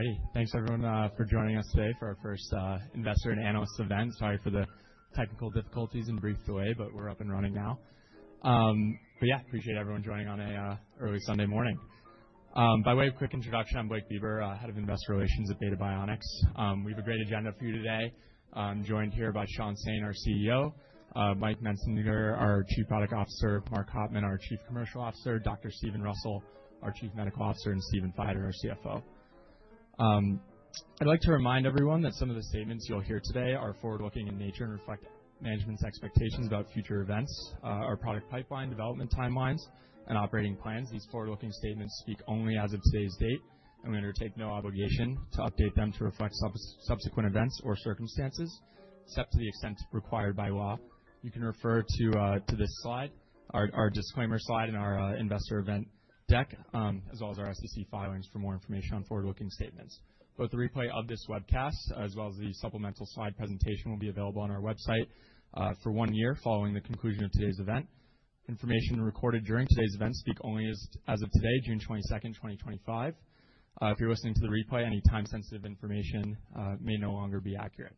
Alrighty, thanks everyone for joining us today for our first investor and analyst event. Sorry for the technical difficulties and brief delay, but we're up and running now. Yeah, appreciate everyone joining on an early Sunday morning. By way of quick introduction, I'm Blake Beber, Head of Investor Relations at Beta Bionics. We have a great agenda for you today. I'm joined here by Sean Saint, our CEO, Mike Mensinger, our Chief Product Officer, Mark Hopman, our Chief Commercial Officer, Dr. Steven Russell, our Chief Medical Officer, and Stephen Feider, our CFO. I'd like to remind everyone that some of the statements you'll hear today are forward-looking in nature and reflect management's expectations about future events, our product pipeline, development timelines, and operating plans. These forward-looking statements speak only as of today's date, and we undertake no obligation to update them to reflect subsequent events or circumstances, except to the extent required by law. You can refer to this slide, our disclaimer slide, and our investor event deck, as well as our SEC filings for more information on forward-looking statements. Both the replay of this webcast, as well as the supplemental slide presentation, will be available on our website for one year following the conclusion of today's event. Information recorded during today's event speaks only as of today, June 22, 2025. If you're listening to the replay, any time-sensitive information may no longer be accurate.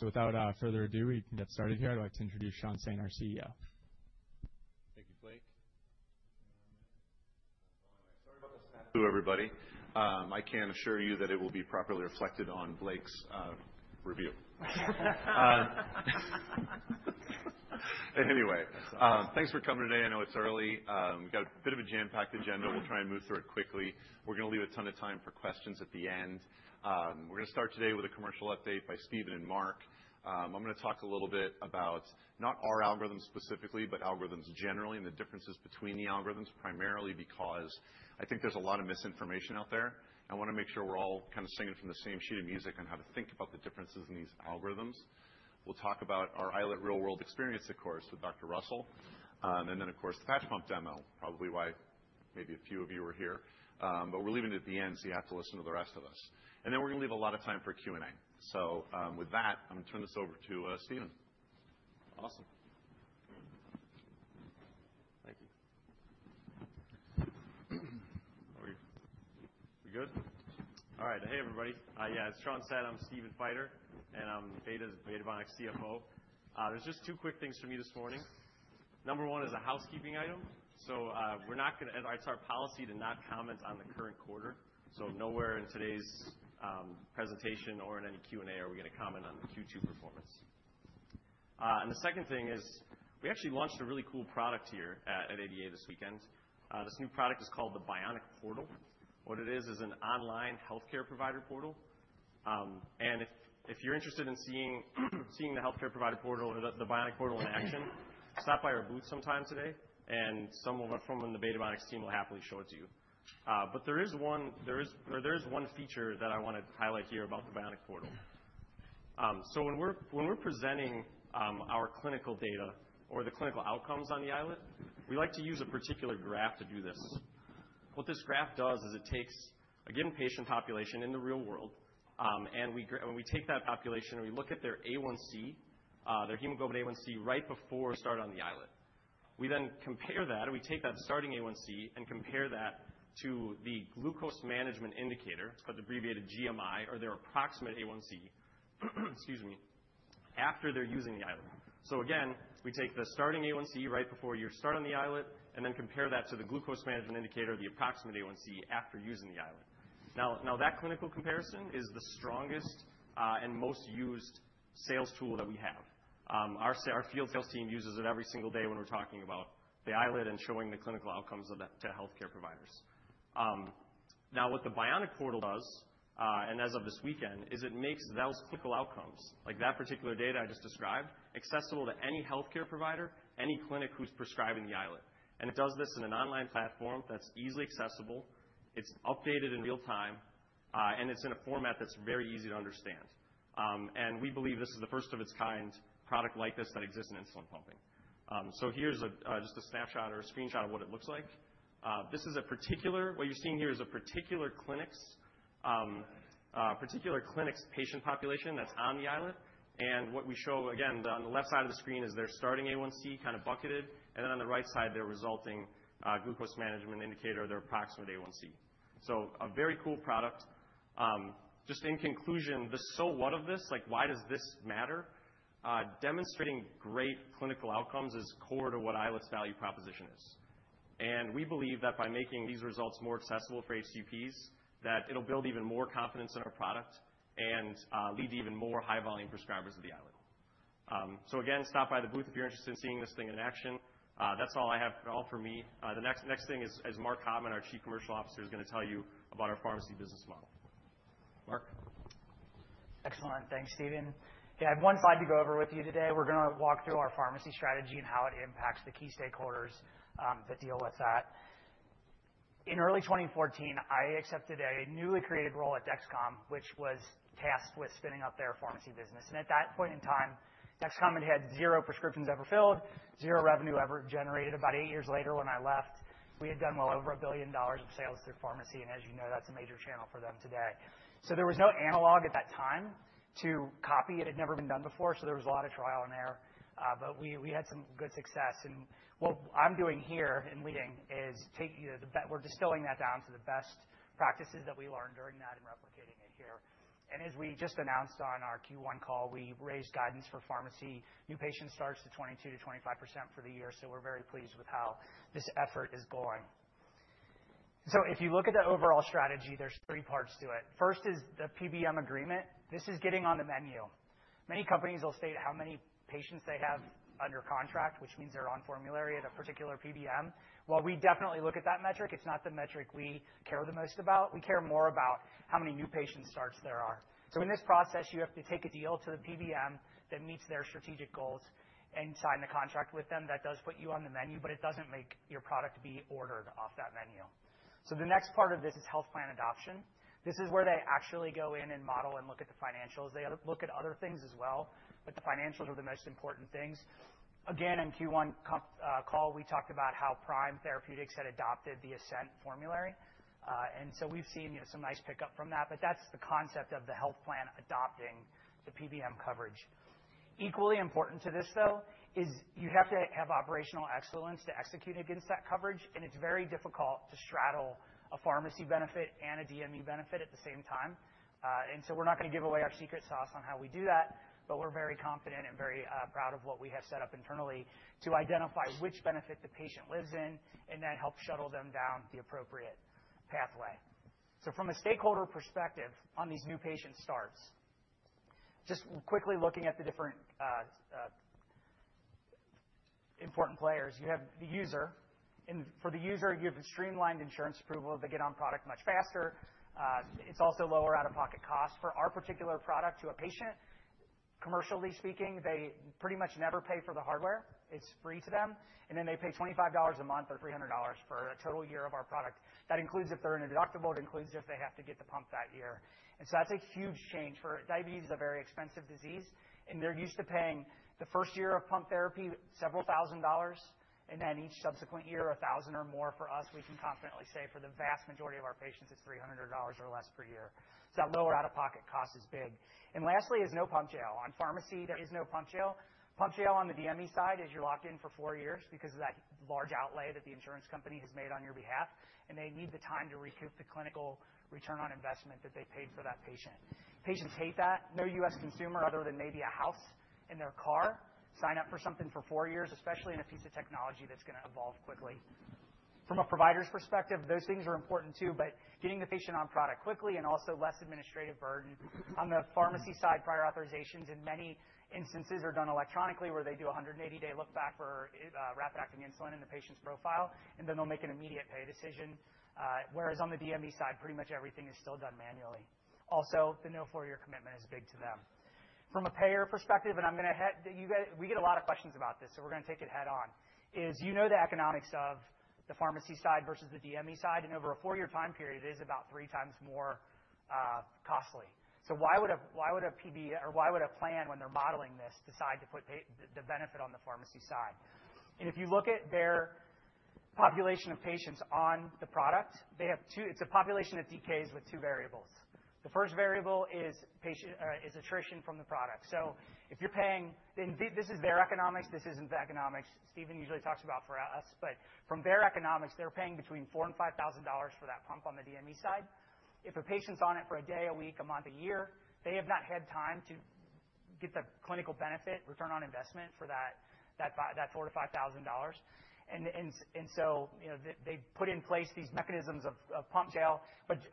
Without further ado, we can get started here. I'd like to introduce Sean Saint, our CEO. Thank you, Blake. Hello, everybody. I can assure you that it will be properly reflected on Blake's review. Anyway, thanks for coming today. I know it's early. We've got a bit of a jam-packed agenda. We'll try and move through it quickly. We're going to leave a ton of time for questions at the end. We're going to start today with a commercial update by Stephen and Mark. I'm going to talk a little bit about not our algorithms specifically, but algorithms generally, and the differences between the algorithms, primarily because I think there's a lot of misinformation out there. I want to make sure we're all kind of singing from the same sheet of music on how to think about the differences in these algorithms. We'll talk about our iLet real-world experience, of course, with Dr. Russell, and then, of course, the patch pump demo, probably why maybe a few of you were here. We are leaving it at the end so you have to listen to the rest of us. We are going to leave a lot of time for Q&A. With that, I am going to turn this over to Stephen. Awesome. Thank you. Are we good? All right. Hey, everybody. Yeah, as Sean said, I'm Stephen Feider, and I'm Beta Bionics CFO. There's just two quick things for me this morning. Number one is a housekeeping item. It is our policy to not comment on the current quarter. Nowhere in today's presentation or in any Q&A are we going to comment on Q2 performance. The second thing is we actually launched a really cool product here at ADA this weekend. This new product is called the Bionic Portal. What it is, is an online healthcare provider portal. If you're interested in seeing the healthcare provider portal or the Bionic Portal in action, stop by our booth sometime today, and someone from the Beta Bionics team will happily show it to you. There is one feature that I want to highlight here about the Bionic Portal. When we're presenting our clinical data or the clinical outcomes on the iLet, we like to use a particular graph to do this. What this graph does is it takes, again, patient population in the real world, and we take that population and we look at their hemoglobin A1C right before start on the iLet. We then compare that, and we take that starting A1C and compare that to the glucose management indicator. It's called abbreviated GMI, or their approximate A1C, excuse me, after they're using the iLet. Again, we take the starting A1C right before your start on the iLet and then compare that to the glucose management indicator, the approximate A1C after using the iLet. That clinical comparison is the strongest and most used sales tool that we have. Our field sales team uses it every single day when we're talking about the iLet and showing the clinical outcomes to healthcare providers. Now, what the Bionic Portal does, and as of this weekend, is it makes those clinical outcomes, like that particular data I just described, accessible to any healthcare provider, any clinic who's prescribing the iLet. It does this in an online platform that's easily accessible. It's updated in real time, and it's in a format that's very easy to understand. We believe this is the first of its kind product like this that exists in insulin pumping. Here's just a snapshot or a screenshot of what it looks like. This is a particular—what you're seeing here is a particular clinic's patient population that's on the iLet. What we show, again, on the left side of the screen is their starting A1C kind of bucketed, and then on the right side, their resulting glucose management indicator or their approximate A1C. A very cool product. Just in conclusion, the so what of this, like why does this matter? Demonstrating great clinical outcomes is core to what iLet’s value proposition is. We believe that by making these results more accessible for HCPs, that it will build even more confidence in our product and lead to even more high-volume prescribers of the iLet. Again, stop by the booth if you are interested in seeing this thing in action. That is all I have, all for me. The next thing is Mark Hopman, our Chief Commercial Officer, is going to tell you about our pharmacy business model. Mark. Excellent. Thanks, Stephen. Yeah, I have one slide to go over with you today. We're going to walk through our pharmacy strategy and how it impacts the key stakeholders that deal with that. In early 2014, I accepted a newly created role at Dexcom, which was tasked with spinning up their pharmacy business. At that point in time, Dexcom had had zero prescriptions ever filled, zero revenue ever generated. About eight years later, when I left, we had done well over $1 billion of sales through pharmacy, and as you know, that's a major channel for them today. There was no analog at that time to copy. It had never been done before, so there was a lot of trial and error. We had some good success. What I'm doing here in leading is we're distilling that down to the best practices that we learned during that and replicating it here. As we just announced on our Q1 call, we raised guidance for pharmacy new patient starts to 22%-25% for the year, so we're very pleased with how this effort is going. If you look at the overall strategy, there are three parts to it. First is the PBM agreement. This is getting on the menu. Many companies will state how many patients they have under contract, which means they're on formulary at a particular PBM. While we definitely look at that metric, it's not the metric we care the most about. We care more about how many new patient starts there are. In this process, you have to take a deal to the PBM that meets their strategic goals and sign the contract with them. That does put you on the menu, but it does not make your product be ordered off that menu. The next part of this is health plan adoption. This is where they actually go in and model and look at the financials. They look at other things as well, but the financials are the most important things. Again, in the Q1 call, we talked about how Prime Therapeutics had adopted the Ascent formulary. We have seen some nice pickup from that, but that is the concept of the health plan adopting the PBM coverage. Equally important to this, though, is you have to have operational excellence to execute against that coverage, and it's very difficult to straddle a pharmacy benefit and a DME benefit at the same time. We are not going to give away our secret sauce on how we do that, but we are very confident and very proud of what we have set up internally to identify which benefit the patient lives in and then help shuttle them down the appropriate pathway. From a stakeholder perspective on these new patient starts, just quickly looking at the different important players, you have the user. For the user, you have streamlined insurance approval. They get on product much faster. It is also lower out-of-pocket cost for our particular product to a patient. Commercially speaking, they pretty much never pay for the hardware. It is free to them. They pay $25 a month or $300 for a total year of our product. That includes if they're in a deductible. It includes if they have to get the pump that year. That is a huge change. For diabetes, a very expensive disease, and they're used to paying the first year of pump therapy several thousand dollars, and then each subsequent year, a thousand or more. For us, we can confidently say for the vast majority of our patients, it's $300 or less per year. That lower out-of-pocket cost is big. Lastly, there is no pump jail. On pharmacy, there is no pump jail. Pump jail on the DME side is you're locked in for four years because of that large outlay that the insurance company has made on your behalf, and they need the time to recoup the clinical return on investment that they paid for that patient. Patients hate that. No U.S. consumer other than maybe a house and their car sign up for something for four years, especially in a piece of technology that's going to evolve quickly. From a provider's perspective, those things are important too, but getting the patient on product quickly and also less administrative burden. On the pharmacy side, prior authorizations in many instances are done electronically where they do a 180-day look back for rapid-acting insulin in the patient's profile, and then they'll make an immediate pay decision. Whereas on the DME side, pretty much everything is still done manually. Also, the no four-year commitment is big to them. From a payer perspective, and I'm going to head we get a lot of questions about this, so we're going to take it head-on. Is you know the economics of the pharmacy side versus the DME side. Over a four-year time period, it is about three times more costly. Why would a plan, when they're modeling this, decide to put the benefit on the pharmacy side? If you look at their population of patients on the product, it's a population that decays with two variables. The first variable is attrition from the product. If you're paying this is their economics. This isn't the economics Stephen usually talks about for us. From their economics, they're paying between $4,000 and $5,000 for that pump on the DME side. If a patient's on it for a day, a week, a month, a year, they have not had time to get the clinical benefit, return on investment for that $4,000-$5,000. They put in place these mechanisms of pump jail.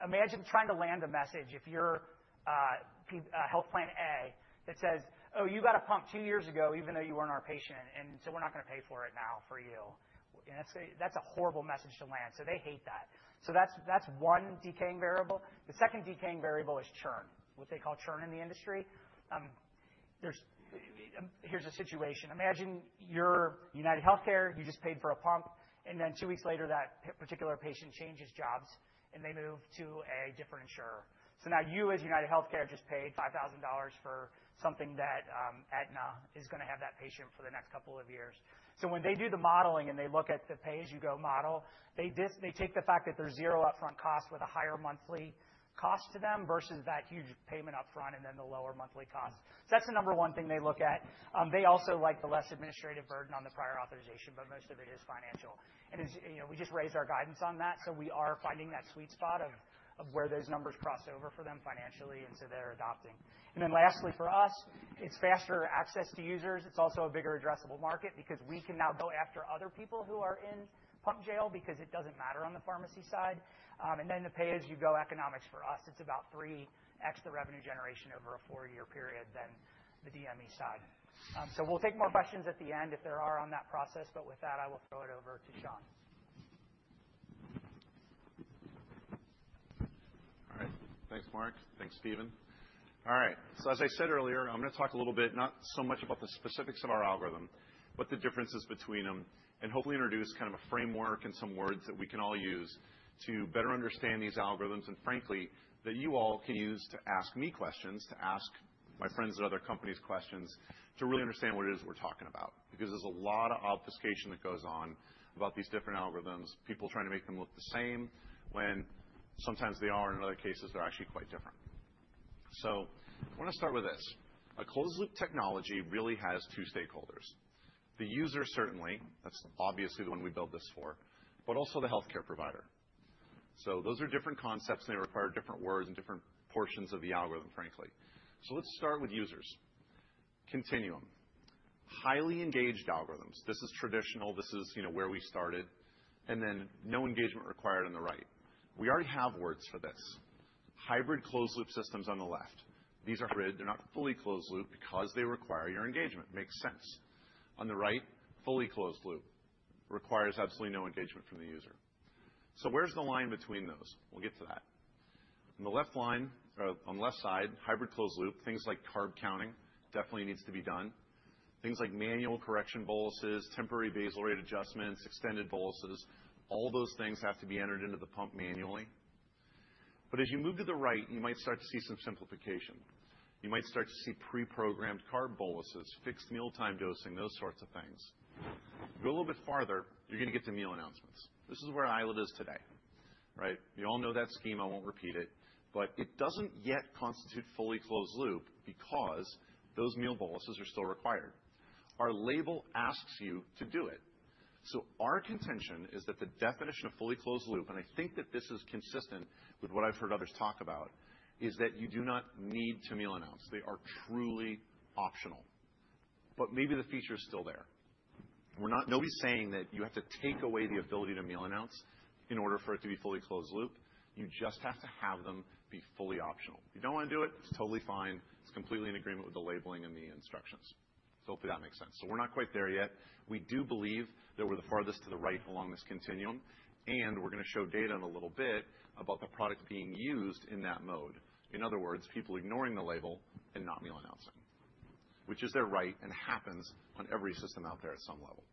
Imagine trying to land a message if you're health plan A that says, "Oh, you got a pump two years ago, even though you weren't our patient, and so we're not going to pay for it now for you." That's a horrible message to land. They hate that. That's one decaying variable. The second decaying variable is churn, what they call churn in the industry. Here's a situation. Imagine you're UnitedHealthcare. You just paid for a pump, and then two weeks later, that particular patient changes jobs and they move to a different insurer. Now you, as UnitedHealthcare, just paid $5,000 for something that Aetna is going to have that patient for the next couple of years. When they do the modeling and they look at the pay-as-you-go model, they take the fact that there is zero upfront cost with a higher monthly cost to them versus that huge payment upfront and then the lower monthly cost. That is the number one thing they look at. They also like the less administrative burden on the prior authorization, but most of it is financial. We just raised our guidance on that. We are finding that sweet spot of where those numbers cross over for them financially, and they are adopting. Lastly, for us, it is faster access to users. It's also a bigger addressable market because we can now go after other people who are in pump jail because it does not matter on the pharmacy side. The pay-as-you-go economics for us, it is about 3x the revenue generation over a four-year period than the DME side. We will take more questions at the end if there are on that process, but with that, I will throw it over to Sean. All right. Thanks, Mark. Thanks, Stephen. All right. As I said earlier, I'm going to talk a little bit, not so much about the specifics of our algorithm, but the differences between them, and hopefully introduce kind of a framework and some words that we can all use to better understand these algorithms and, frankly, that you all can use to ask me questions, to ask my friends at other companies questions, to really understand what it is we're talking about. Because there's a lot of obfuscation that goes on about these different algorithms, people trying to make them look the same, when sometimes they are, and in other cases, they're actually quite different. I want to start with this. A closed-loop technology really has two stakeholders: the user, certainly. That's obviously the one we build this for, but also the healthcare provider. Those are different concepts, and they require different words and different portions of the algorithm, frankly. Let's start with users. Continuum. Highly engaged algorithms. This is traditional. This is where we started. And then no engagement required on the right. We already have words for this. Hybrid closed-loop systems on the left. These are hybrid. They're not fully closed-loop because they require your engagement. Makes sense. On the right, fully closed-loop requires absolutely no engagement from the user. Where's the line between those? We'll get to that. On the left side, hybrid closed-loop, things like carb counting definitely need to be done. Things like manual correction boluses, temporary basal rate adjustments, extended boluses, all those things have to be entered into the pump manually. As you move to the right, you might start to see some simplification. You might start to see pre-programmed carb boluses, fixed mealtime dosing, those sorts of things. Go a little bit farther, you're going to get to meal announcements. This is where iLet is today. You all know that scheme. I won't repeat it. It doesn't yet constitute fully closed-loop because those meal boluses are still required. Our label asks you to do it. Our contention is that the definition of fully closed-loop, and I think that this is consistent with what I've heard others talk about, is that you do not need to meal announce. They are truly optional. Maybe the feature is still there. Nobody's saying that you have to take away the ability to meal announce in order for it to be fully closed-loop. You just have to have them be fully optional. If you don't want to do it, it's totally fine. It's completely in agreement with the labeling and the instructions. Hopefully that makes sense. We're not quite there yet. We do believe that we're the farthest to the right along this continuum, and we're going to show data in a little bit about the product being used in that mode. In other words, people ignoring the label and not meal announcing, which is their right and happens on every system out there at some level.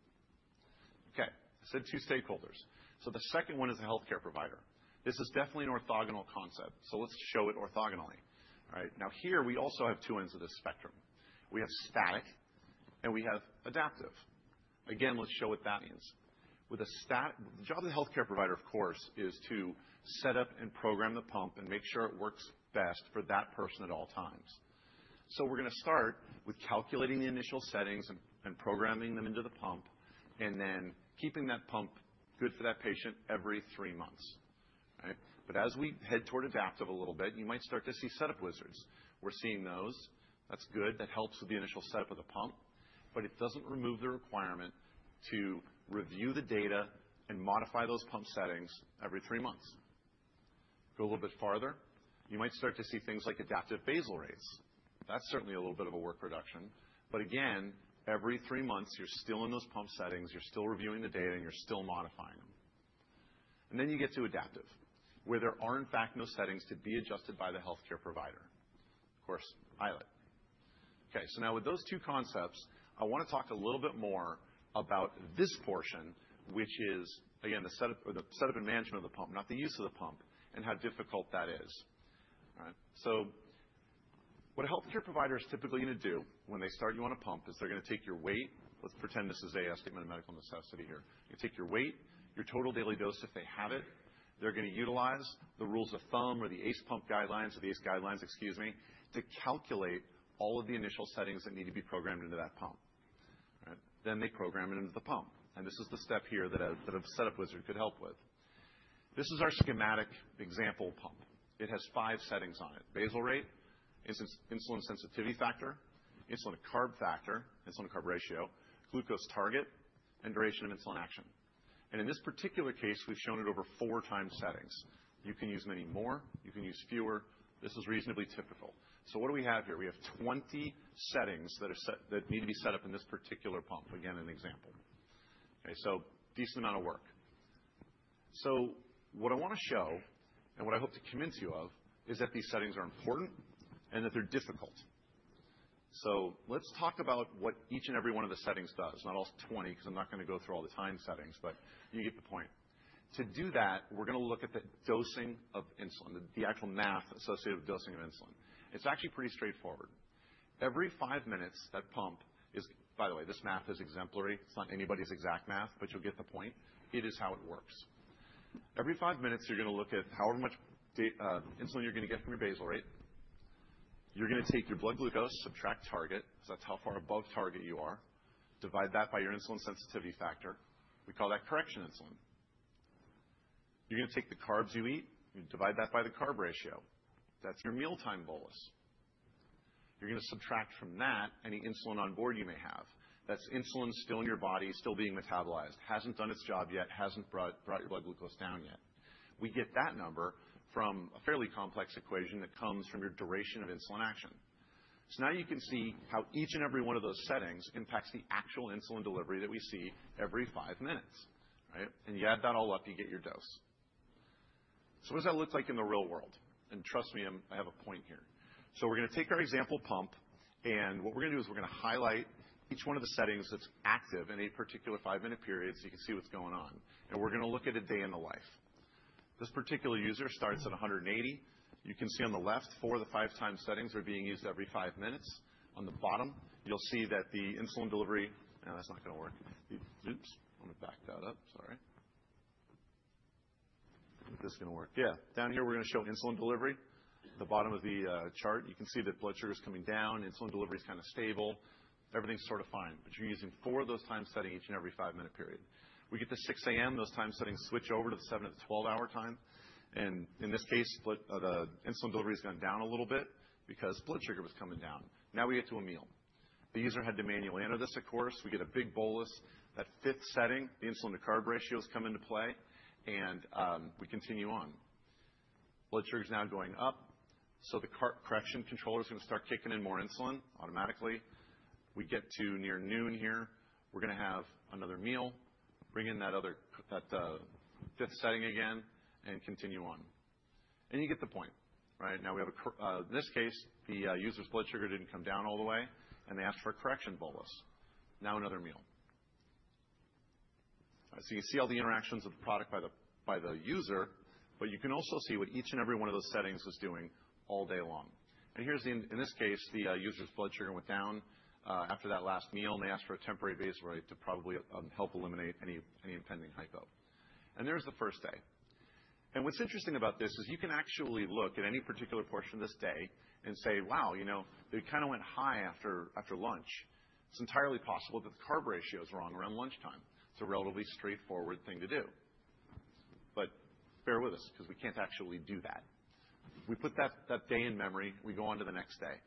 I said two stakeholders. The second one is a healthcare provider. This is definitely an orthogonal concept. Let's show it orthogonally. Now here, we also have two ends of the spectrum. We have static, and we have adaptive. Again, let's show what that means. The job of the healthcare provider, of course, is to set up and program the pump and make sure it works best for that person at all times. We are going to start with calculating the initial settings and programming them into the pump, and then keeping that pump good for that patient every three months. As we head toward adaptive a little bit, you might start to see setup wizards. We are seeing those. That is good. That helps with the initial setup of the pump, but it does not remove the requirement to review the data and modify those pump settings every three months. Go a little bit farther. You might start to see things like adaptive basal rates. That is certainly a little bit of a work reduction. Again, every three months, you are still in those pump settings. You are still reviewing the data, and you are still modifying them. Then you get to adaptive, where there are, in fact, no settings to be adjusted by the healthcare provider. Of course, iLet. Okay. Now with those two concepts, I want to talk a little bit more about this portion, which is, again, the setup and management of the pump, not the use of the pump, and how difficult that is. What a healthcare provider is typically going to do when they start you on a pump is they're going to take your weight. Let's pretend this is a statement of medical necessity here. They take your weight, your total daily dose if they have it. They're going to utilize the rules of thumb or the ACE pump guidelines or the ACE guidelines, excuse me, to calculate all of the initial settings that need to be programmed into that pump. They program it into the pump. This is the step here that a setup wizard could help with. This is our schematic example pump. It has five settings on it: basal rate, insulin sensitivity factor, insulin to carb factor, insulin to carb ratio, glucose target, and duration of insulin action. In this particular case, we've shown it over four time settings. You can use many more. You can use fewer. This is reasonably typical. What do we have here? We have 20 settings that need to be set up in this particular pump. Again, an example. Decent amount of work. What I want to show and what I hope to convince you of is that these settings are important and that they're difficult. Let's talk about what each and every one of the settings does. Not all 20 because I'm not going to go through all the time settings, but you get the point. To do that, we're going to look at the dosing of insulin, the actual math associated with dosing of insulin. It's actually pretty straightforward. Every five minutes, that pump is, by the way, this math is exemplary. It's not anybody's exact math, but you'll get the point. It is how it works. Every five minutes, you're going to look at however much insulin you're going to get from your basal rate. You're going to take your blood glucose, subtract target, because that's how far above target you are. Divide that by your insulin sensitivity factor. We call that correction insulin. You're going to take the carbs you eat and divide that by the carb ratio. That's your mealtime bolus. You're going to subtract from that any insulin on board you may have. That's insulin still in your body, still being metabolized, hasn't done its job yet, hasn't brought your blood glucose down yet. We get that number from a fairly complex equation that comes from your duration of insulin action. Now you can see how each and every one of those settings impacts the actual insulin delivery that we see every five minutes. You add that all up, you get your dose. What does that look like in the real world? Trust me, I have a point here. We're going to take our example pump, and what we're going to do is highlight each one of the settings that's active in a particular five-minute period so you can see what's going on. We're going to look at a day in the life. This particular user starts at 180. You can see on the left, four of the five time settings are being used every five minutes. On the bottom, you'll see that the insulin delivery—no, that's not going to work. Oops. Let me back that up. Sorry. Is this going to work? Yeah. Down here, we're going to show insulin delivery. The bottom of the chart, you can see that blood sugar's coming down. Insulin delivery's kind of stable. Everything's sort of fine. But you're using four of those time settings each and every five-minute period. We get to 6:00 A.M. Those time settings switch over to the 7:00 to the 12-hour time. In this case, the insulin delivery's gone down a little bit because blood sugar was coming down. Now we get to a meal. The user had to manually enter this, of course. We get a big bolus. That fifth setting, the insulin to carb ratio, has come into play, and we continue on. Blood sugar is now going up. The correction controller is going to start kicking in more insulin automatically. We get to near noon here. We are going to have another meal, bring in that fifth setting again, and continue on. You get the point. In this case, the user's blood sugar did not come down all the way, and they asked for a correction bolus. Now another meal. You can see all the interactions of the product by the user, but you can also see what each and every one of those settings was doing all day long. Here's, in this case, the user's blood sugar went down after that last meal, and they asked for a temporary basal rate to probably help eliminate any impending hypo. There's the first day. What's interesting about this is you can actually look at any particular portion of this day and say, "Wow, they kind of went high after lunch." It's entirely possible that the carb ratio's wrong around lunchtime. It's a relatively straightforward thing to do. Bear with us because we can't actually do that. We put that day in memory. We go on to the next day.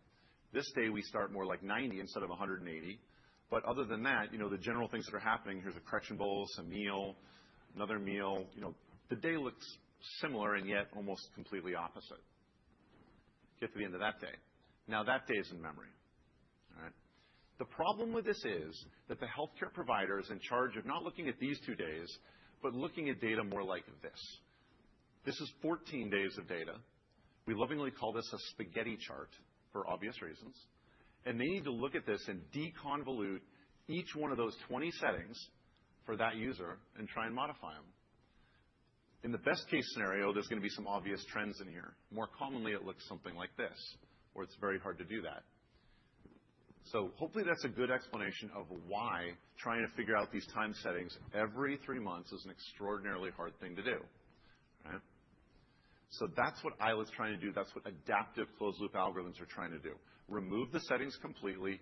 This day, we start more like 90 instead of 180. Other than that, the general things that are happening, here's a correction bolus, a meal, another meal. The day looks similar and yet almost completely opposite. Get to the end of that day. Now that day is in memory. The problem with this is that the healthcare provider is in charge of not looking at these two days, but looking at data more like this. This is 14 days of data. We lovingly call this a spaghetti chart for obvious reasons. They need to look at this and deconvolute each one of those 20 settings for that user and try and modify them. In the best-case scenario, there's going to be some obvious trends in here. More commonly, it looks something like this, or it's very hard to do that. Hopefully, that's a good explanation of why trying to figure out these time settings every three months is an extraordinarily hard thing to do. That's what iLet is trying to do. That's what adaptive closed-loop algorithms are trying to do. Remove the settings completely.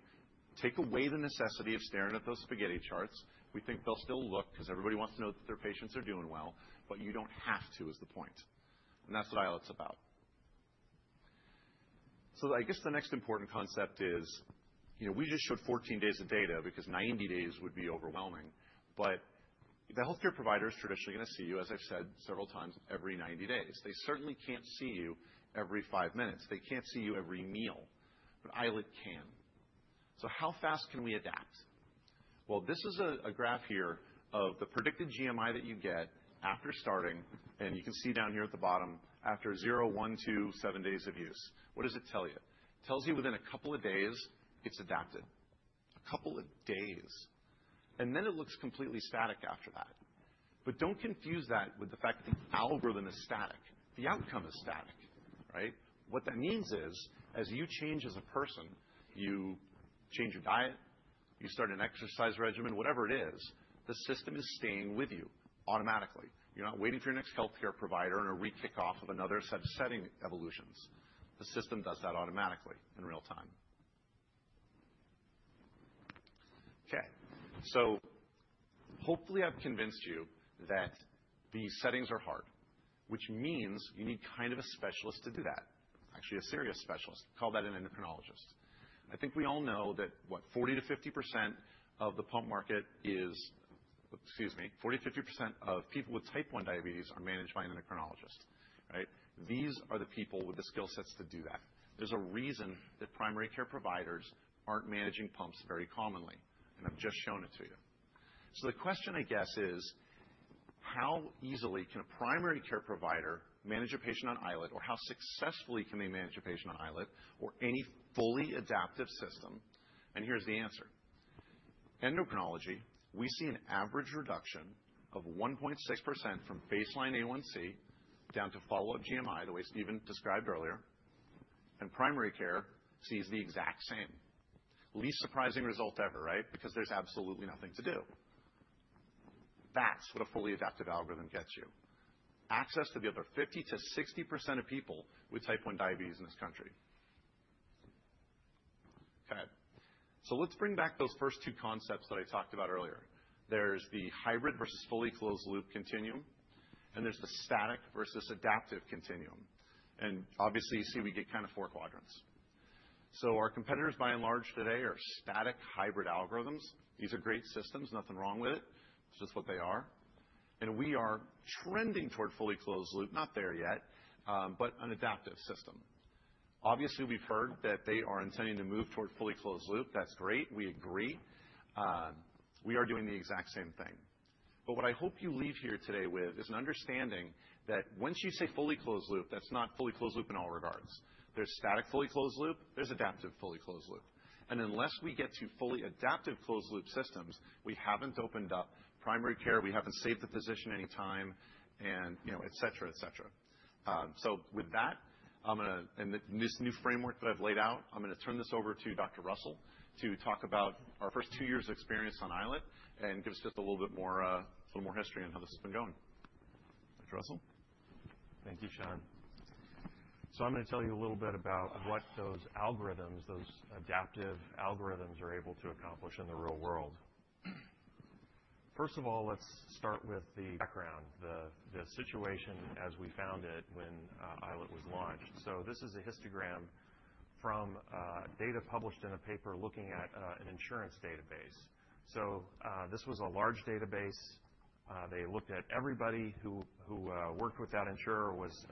Take away the necessity of staring at those spaghetti charts. We think they'll still look because everybody wants to know that their patients are doing well, but you do not have to is the point. That is what iLet is about. I guess the next important concept is we just showed 14 days of data because 90 days would be overwhelming. The healthcare provider is traditionally going to see you, as I have said several times, every 90 days. They certainly cannot see you every five minutes. They cannot see you every meal. iLet can. How fast can we adapt? This is a graph here of the predicted GMI that you get after starting. You can see down here at the bottom, after zero, one, two, seven days of use. What does it tell you? It tells you within a couple of days, it is adapted. A couple of days. And then it looks completely static after that. But do not confuse that with the fact that the algorithm is static. The outcome is static. What that means is, as you change as a person, you change your diet, you start an exercise regimen, whatever it is, the system is staying with you automatically. You are not waiting for your next healthcare provider and a re-kickoff of another set of setting evolutions. The system does that automatically in real time. Okay. Hopefully, I have convinced you that these settings are hard, which means you need kind of a specialist to do that. Actually, a serious specialist. Call that an endocrinologist. I think we all know that, what, 40%-50% of the pump market is excuse me. 40%-50% of people with type 1 diabetes are managed by an endocrinologist. These are the people with the skill sets to do that. There is a reason that primary care providers are not managing pumps very commonly. I have just shown it to you. The question, I guess, is, how easily can a primary care provider manage a patient on iLet, or how successfully can they manage a patient on iLet, or any fully adaptive system? Here is the answer. Endocrinology, we see an average reduction of 1.6% from baseline A1C down to follow-up GMI, the way Stephen described earlier. Primary care sees the exact same. Least surprising result ever, right? Because there is absolutely nothing to do. That is what a fully adaptive algorithm gets you: access to the other 50%-60% of people with type 1 diabetes in this country. Okay. Let us bring back those first two concepts that I talked about earlier. There's the hybrid versus fully closed-loop continuum, and there's the static versus adaptive continuum. Obviously, you see we get kind of four quadrants. Our competitors, by and large, today are static hybrid algorithms. These are great systems. Nothing wrong with it. It's just what they are. We are trending toward fully closed-loop. Not there yet, but an adaptive system. Obviously, we've heard that they are intending to move toward fully closed-loop. That's great. We agree. We are doing the exact same thing. What I hope you leave here today with is an understanding that once you say fully closed-loop, that's not fully closed-loop in all regards. There's static fully closed-loop. There's adaptive fully closed-loop. Unless we get to fully adaptive closed-loop systems, we haven't opened up primary care. We haven't saved the physician any time, and etc., etc. With that, and this new framework that I've laid out, I'm going to turn this over to Dr. Russell to talk about our first two years of experience on iLet and give us just a little bit more history on how this has been going. Dr. Russell? Thank you, Sean. I'm going to tell you a little bit about what those algorithms, those adaptive algorithms, are able to accomplish in the real world. First of all, let's start with the background, the situation as we found it when iLet was launched. This is a histogram from data published in a paper looking at an insurance database. This was a large database. They looked at everybody who worked with that insurer, was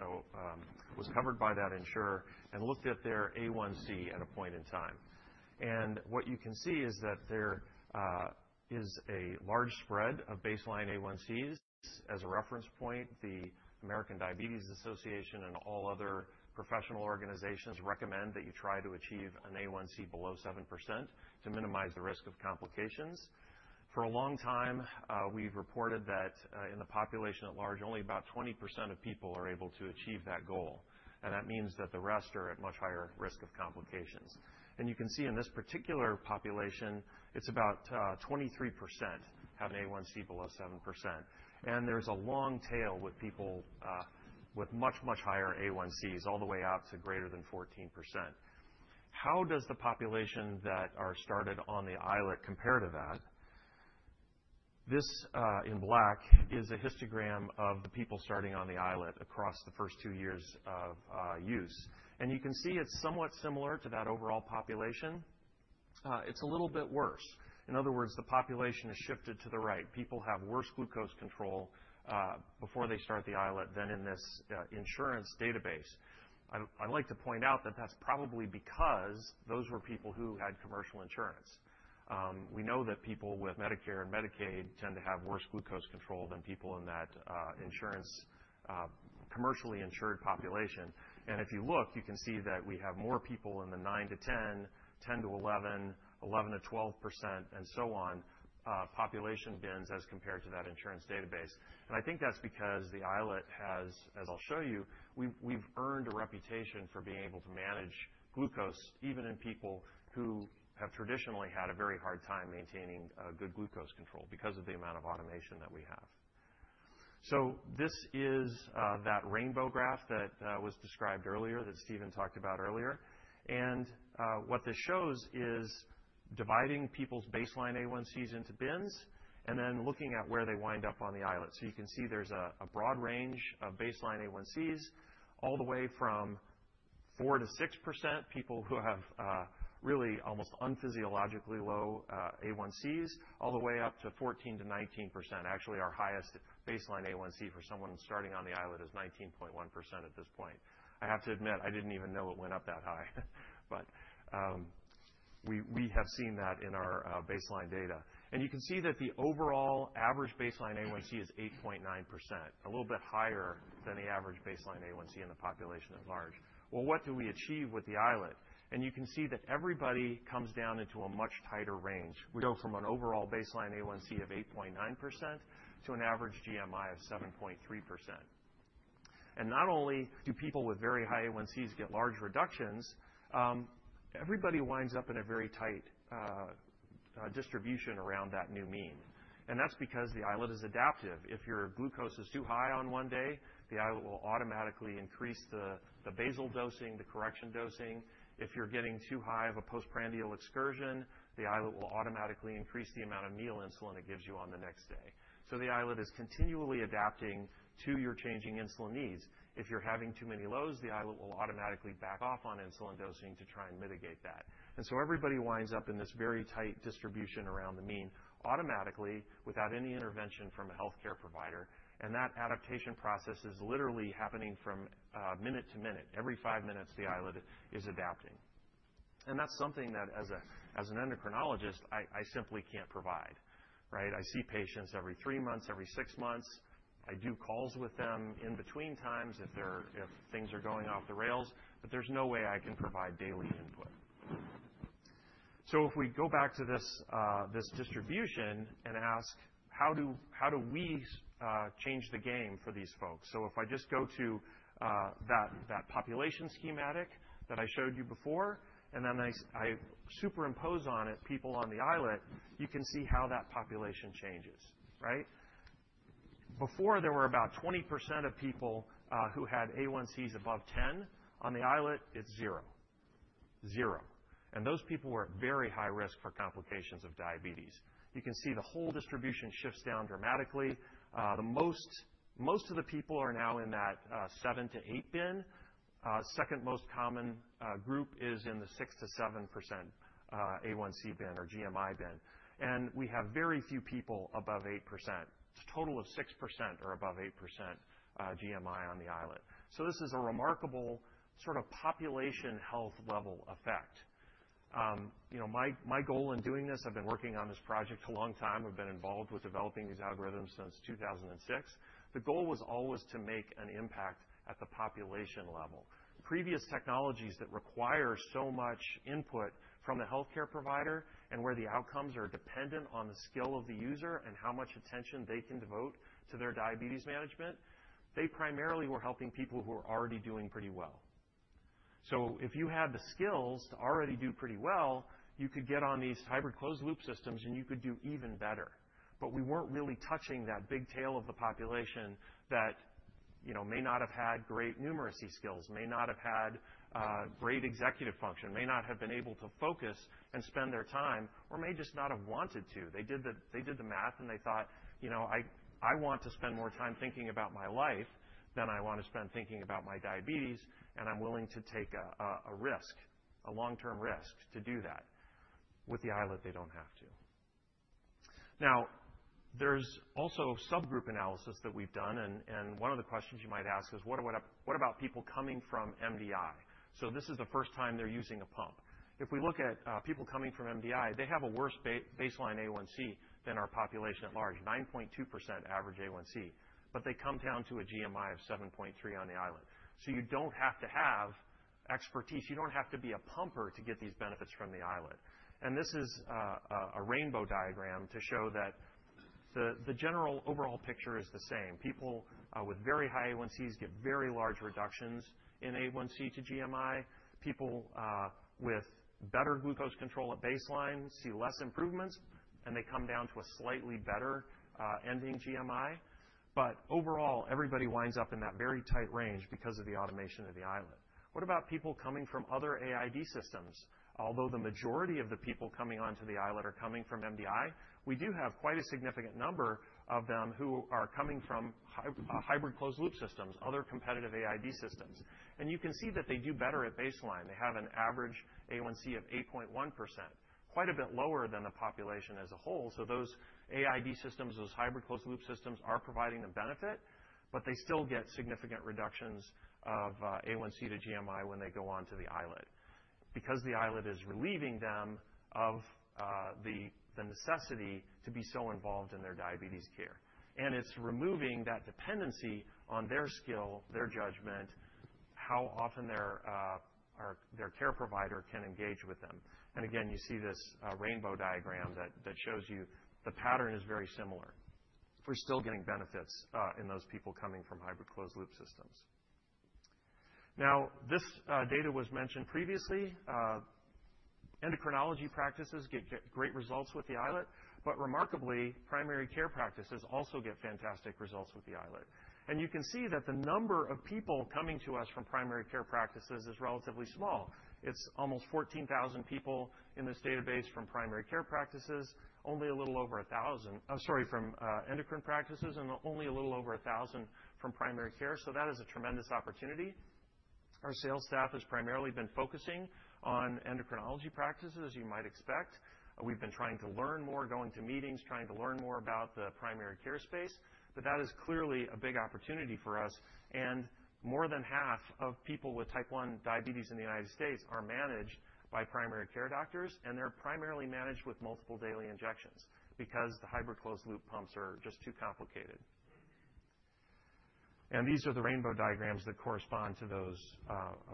covered by that insurer, and looked at their A1C at a point in time. What you can see is that there is a large spread of baseline A1Cs as a reference point. The American Diabetes Association and all other professional organizations recommend that you try to achieve an A1C below 7% to minimize the risk of complications. For a long time, we've reported that in the population at large, only about 20% of people are able to achieve that goal. That means that the rest are at much higher risk of complications. You can see in this particular population, it's about 23% have an A1C below 7%. There's a long tail with people with much, much higher A1Cs all the way out to greater than 14%. How does the population that are started on the iLet compare to that? This, in black, is a histogram of the people starting on the iLet across the first two years of use. You can see it's somewhat similar to that overall population. It's a little bit worse. In other words, the population has shifted to the right. People have worse glucose control before they start the iLet than in this insurance database. I like to point out that that's probably because those were people who had commercial insurance. We know that people with Medicare and Medicaid tend to have worse glucose control than people in that commercially insured population. If you look, you can see that we have more people in the 9-10%, 10-11%, 11-12%, and so on, population bins as compared to that insurance database. I think that's because the iLet has, as I'll show you, we've earned a reputation for being able to manage glucose even in people who have traditionally had a very hard time maintaining good glucose control because of the amount of automation that we have. This is that rainbow graph that was described earlier that Stephen talked about earlier. What this shows is dividing people's baseline A1Cs into bins and then looking at where they wind up on the iLet. You can see there's a broad range of baseline A1Cs all the way from 4%-6%, people who have really almost unphysiologically low A1Cs, all the way up to 14%-19%. Actually, our highest baseline A1C for someone starting on the iLet is 19.1% at this point. I have to admit, I didn't even know it went up that high. We have seen that in our baseline data. You can see that the overall average baseline A1C is 8.9%, a little bit higher than the average baseline A1C in the population at large. What do we achieve with the iLet? You can see that everybody comes down into a much tighter range. We go from an overall baseline A1C of 8.9% to an average GMI of 7.3%. Not only do people with very high A1Cs get large reductions, everybody winds up in a very tight distribution around that new mean. That is because the iLet is adaptive. If your glucose is too high on one day, the iLet will automatically increase the basal dosing, the correction dosing. If you are getting too high of a postprandial excursion, the iLet will automatically increase the amount of meal insulin it gives you on the next day. The iLet is continually adapting to your changing insulin needs. If you're having too many lows, the iLet will automatically back off on insulin dosing to try and mitigate that. Everybody winds up in this very tight distribution around the mean automatically without any intervention from a healthcare provider. That adaptation process is literally happening from minute to minute. Every five minutes, the iLet is adapting. That's something that, as an endocrinologist, I simply can't provide. I see patients every three months, every six months. I do calls with them in between times if things are going off the rails. There's no way I can provide daily input. If we go back to this distribution and ask, how do we change the game for these folks? If I just go to that population schematic that I showed you before, and then I superimpose on it people on the iLet, you can see how that population changes. Before, there were about 20% of people who had A1Cs above 10%. On the iLet, it's zero. Zero. And those people were at very high risk for complications of diabetes. You can see the whole distribution shifts down dramatically. Most of the people are now in that 7-8 bin. Second most common group is in the 6%-7% A1C bin or GMI bin. And we have very few people above 8%. It's a total of 6% or above 8% GMI on the iLet. This is a remarkable sort of population health level effect. My goal in doing this, I've been working on this project a long time. I've been involved with developing these algorithms since 2006. The goal was always to make an impact at the population level. Previous technologies that require so much input from the healthcare provider and where the outcomes are dependent on the skill of the user and how much attention they can devote to their diabetes management, they primarily were helping people who were already doing pretty well. If you had the skills to already do pretty well, you could get on these hybrid closed-loop systems, and you could do even better. We weren't really touching that big tail of the population that may not have had great numeracy skills, may not have had great executive function, may not have been able to focus and spend their time, or may just not have wanted to. They did the math, and they thought, "I want to spend more time thinking about my life than I want to spend thinking about my diabetes, and I'm willing to take a risk, a long-term risk, to do that." With the iLet, they do not have to. Now, there is also subgroup analysis that we have done. One of the questions you might ask is, what about people coming from MDI? This is the first time they are using a pump. If we look at people coming from MDI, they have a worse baseline A1C than our population at large, 9.2% average A1C. They come down to a GMI of 7.3% on the iLet. You do not have to have expertise. You do not have to be a pumper to get these benefits from the iLet. This is a rainbow diagram to show that the general overall picture is the same. People with very high A1Cs get very large reductions in A1C to GMI. People with better glucose control at baseline see less improvements, and they come down to a slightly better ending GMI. Overall, everybody winds up in that very tight range because of the automation of the iLet. What about people coming from other AID systems? Although the majority of the people coming onto the iLet are coming from MDI, we do have quite a significant number of them who are coming from hybrid closed-loop systems, other competitive AID systems. You can see that they do better at baseline. They have an average A1C of 8.1%, quite a bit lower than the population as a whole. Those AID systems, those hybrid closed-loop systems are providing a benefit, but they still get significant reductions of A1C to GMI when they go onto the iLet because the iLet is relieving them of the necessity to be so involved in their diabetes care. It is removing that dependency on their skill, their judgment, how often their care provider can engage with them. Again, you see this rainbow diagram that shows you the pattern is very similar. We are still getting benefits in those people coming from hybrid closed-loop systems. This data was mentioned previously. Endocrinology practices get great results with the iLet. Remarkably, primary care practices also get fantastic results with the iLet. You can see that the number of people coming to us from primary care practices is relatively small. It's almost 14,000 people in this database from primary care practices, only a little over 1,000—oh, sorry, from endocrine practices, and only a little over 1,000 from primary care. That is a tremendous opportunity. Our sales staff has primarily been focusing on endocrinology practices, as you might expect. We've been trying to learn more, going to meetings, trying to learn more about the primary care space. That is clearly a big opportunity for us. More than half of people with type 1 diabetes in the United States are managed by primary care doctors, and they're primarily managed with multiple daily injections because the hybrid closed-loop pumps are just too complicated. These are the rainbow diagrams that correspond to those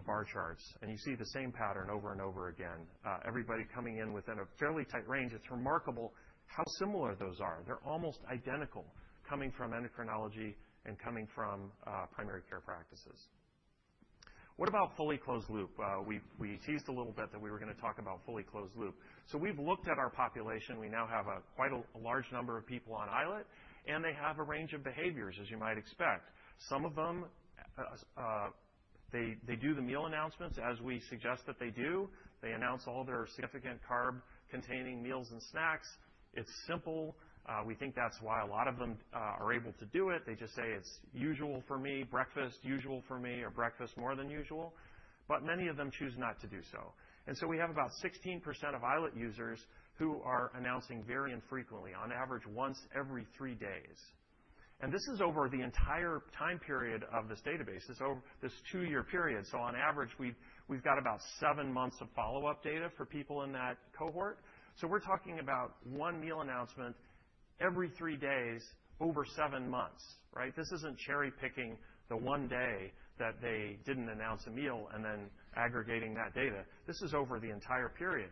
bar charts. You see the same pattern over and over again. Everybody coming in within a fairly tight range. It's remarkable how similar those are. They're almost identical coming from endocrinology and coming from primary care practices. What about fully closed-loop? We teased a little bit that we were going to talk about fully closed-loop. We have looked at our population. We now have quite a large number of people on iLet, and they have a range of behaviors, as you might expect. Some of them, they do the meal announcements as we suggest that they do. They announce all their significant carb-containing meals and snacks. It's simple. We think that's why a lot of them are able to do it. They just say, "It's usual for me, breakfast usual for me, or breakfast more than usual." Many of them choose not to do so. We have about 16% of iLet users who are announcing very infrequently, on average, once every three days. This is over the entire time period of this database, this two-year period. On average, we've got about seven months of follow-up data for people in that cohort. We're talking about one meal announcement every three days over seven months. This isn't cherry-picking the one day that they didn't announce a meal and then aggregating that data. This is over the entire period.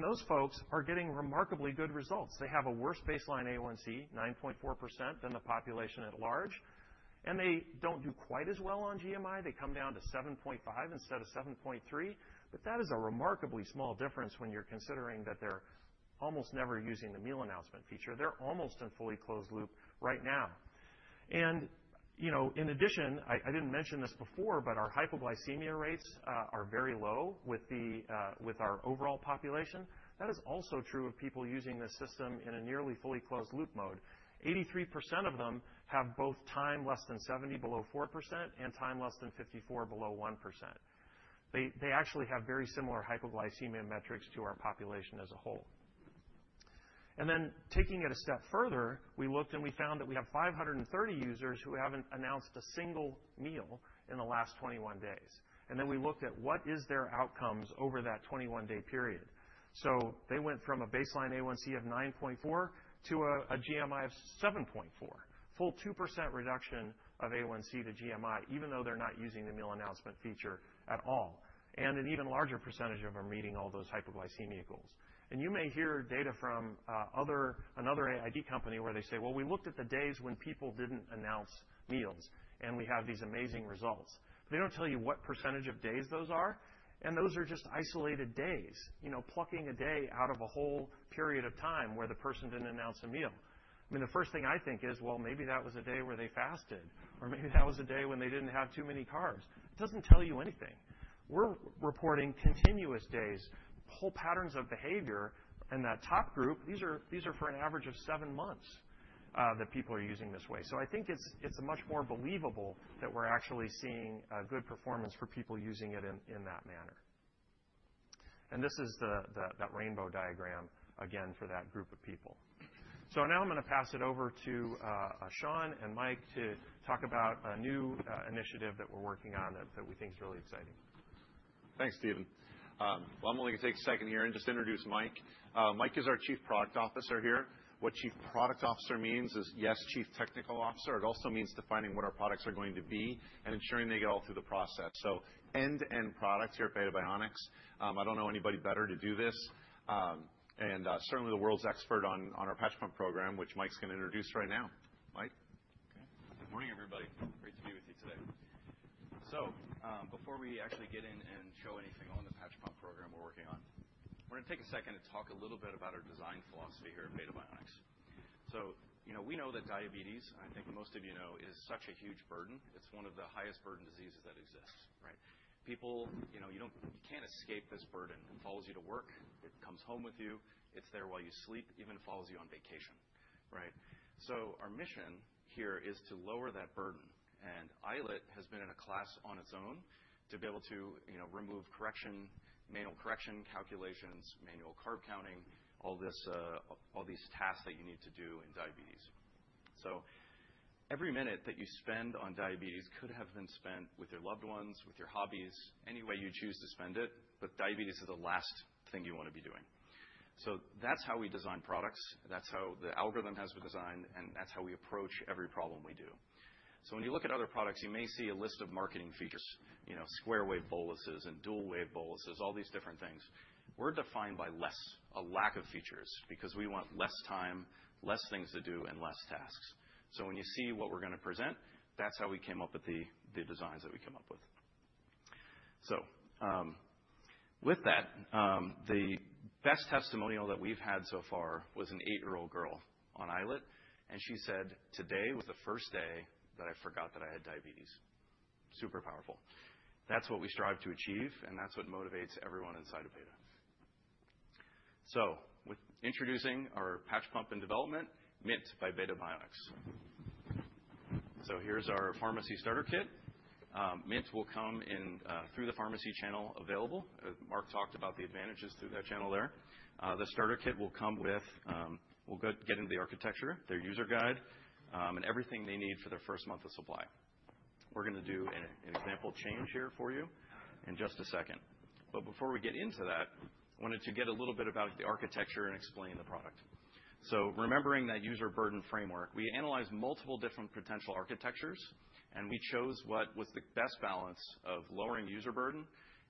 Those folks are getting remarkably good results. They have a worse baseline A1C, 9.4%, than the population at large. They don't do quite as well on GMI. They come down to 7.5% instead of 7.3%. That is a remarkably small difference when you're considering that they're almost never using the meal announcement feature. They're almost in fully closed-loop right now. In addition, I didn't mention this before, but our hypoglycemia rates are very low with our overall population. That is also true of people using this system in a nearly fully closed-loop mode. 83% of them have both time less than 70 below 4% and time less than 54 below 1%. They actually have very similar hypoglycemia metrics to our population as a whole. Taking it a step further, we looked and we found that we have 530 users who have not announced a single meal in the last 21 days. We looked at what is their outcomes over that 21-day period. They went from a baseline A1C of 9.4 to a GMI of 7.4, full 2% reduction of A1C to GMI, even though they are not using the meal announcement feature at all. An even larger percentage of them are meeting all those hypoglycemia goals. You may hear data from another AID company where they say, "Well, we looked at the days when people did not announce meals, and we have these amazing results." They do not tell you what percentage of days those are. Those are just isolated days, plucking a day out of a whole period of time where the person did not announce a meal. I mean, the first thing I think is, "Well, maybe that was a day where they fasted, or maybe that was a day when they did not have too many carbs." It does not tell you anything. We are reporting continuous days, whole patterns of behavior. That top group, these are for an average of seven months that people are using this way. I think it is much more believable that we are actually seeing good performance for people using it in that manner. This is that rainbow diagram again for that group of people. Now I am going to pass it over to Sean and Mike to talk about a new initiative that we are working on that we think is really exciting. Thanks, Steven. I am only going to take a second here and just introduce Mike. Mike is our Chief Product Officer here. What Chief Product Officer means is, yes, Chief Technical Officer. It also means defining what our products are going to be and ensuring they get all through the process. End-to-end products here at Beta Bionics. I do not know anybody better to do this. Certainly the world's expert on our patch pump program, which Mike is going to introduce right now. Mike. Okay. Good morning, everybody. Great to be with you today. Before we actually get in and show anything on the patch pump program we're working on, we're going to take a second and talk a little bit about our design philosophy here at Beta Bionics. We know that diabetes, I think most of you know, is such a huge burden. It's one of the highest burden diseases that exist. People, you can't escape this burden. It follows you to work. It comes home with you. It's there while you sleep, even follows you on vacation. Our mission here is to lower that burden. And iLet has been in a class on its own to be able to remove manual correction calculations, manual carb counting, all these tasks that you need to do in diabetes. Every minute that you spend on diabetes could have been spent with your loved ones, with your hobbies, any way you choose to spend it. Diabetes is the last thing you want to be doing. That is how we design products. That is how the algorithm has been designed, and that is how we approach every problem we do. When you look at other products, you may see a list of marketing features, square wave boluses and dual wave boluses, all these different things. We are defined by less, a lack of features, because we want less time, less things to do, and less tasks. When you see what we are going to present, that is how we came up with the designs that we come up with. With that, the best testimonial that we have had so far was an eight-year-old girl on iLet. She said, "Today was the first day that I forgot that I had diabetes." Super powerful. That is what we strive to achieve, and that is what motivates everyone inside of Beta. With introducing our patch pump in development, Mint by Beta Bionics. Here is our pharmacy starter kit. Mint will come through the pharmacy channel available. Mark talked about the advantages through that channel there. The starter kit will come with, we will get into the architecture, their user guide, and everything they need for their first month of supply. We are going to do an example change here for you in just a second. Before we get into that, I wanted to get a little bit about the architecture and explain the product. Remembering that user burden framework, we analyzed multiple different potential architectures, and we chose what was the best balance of lowering user burden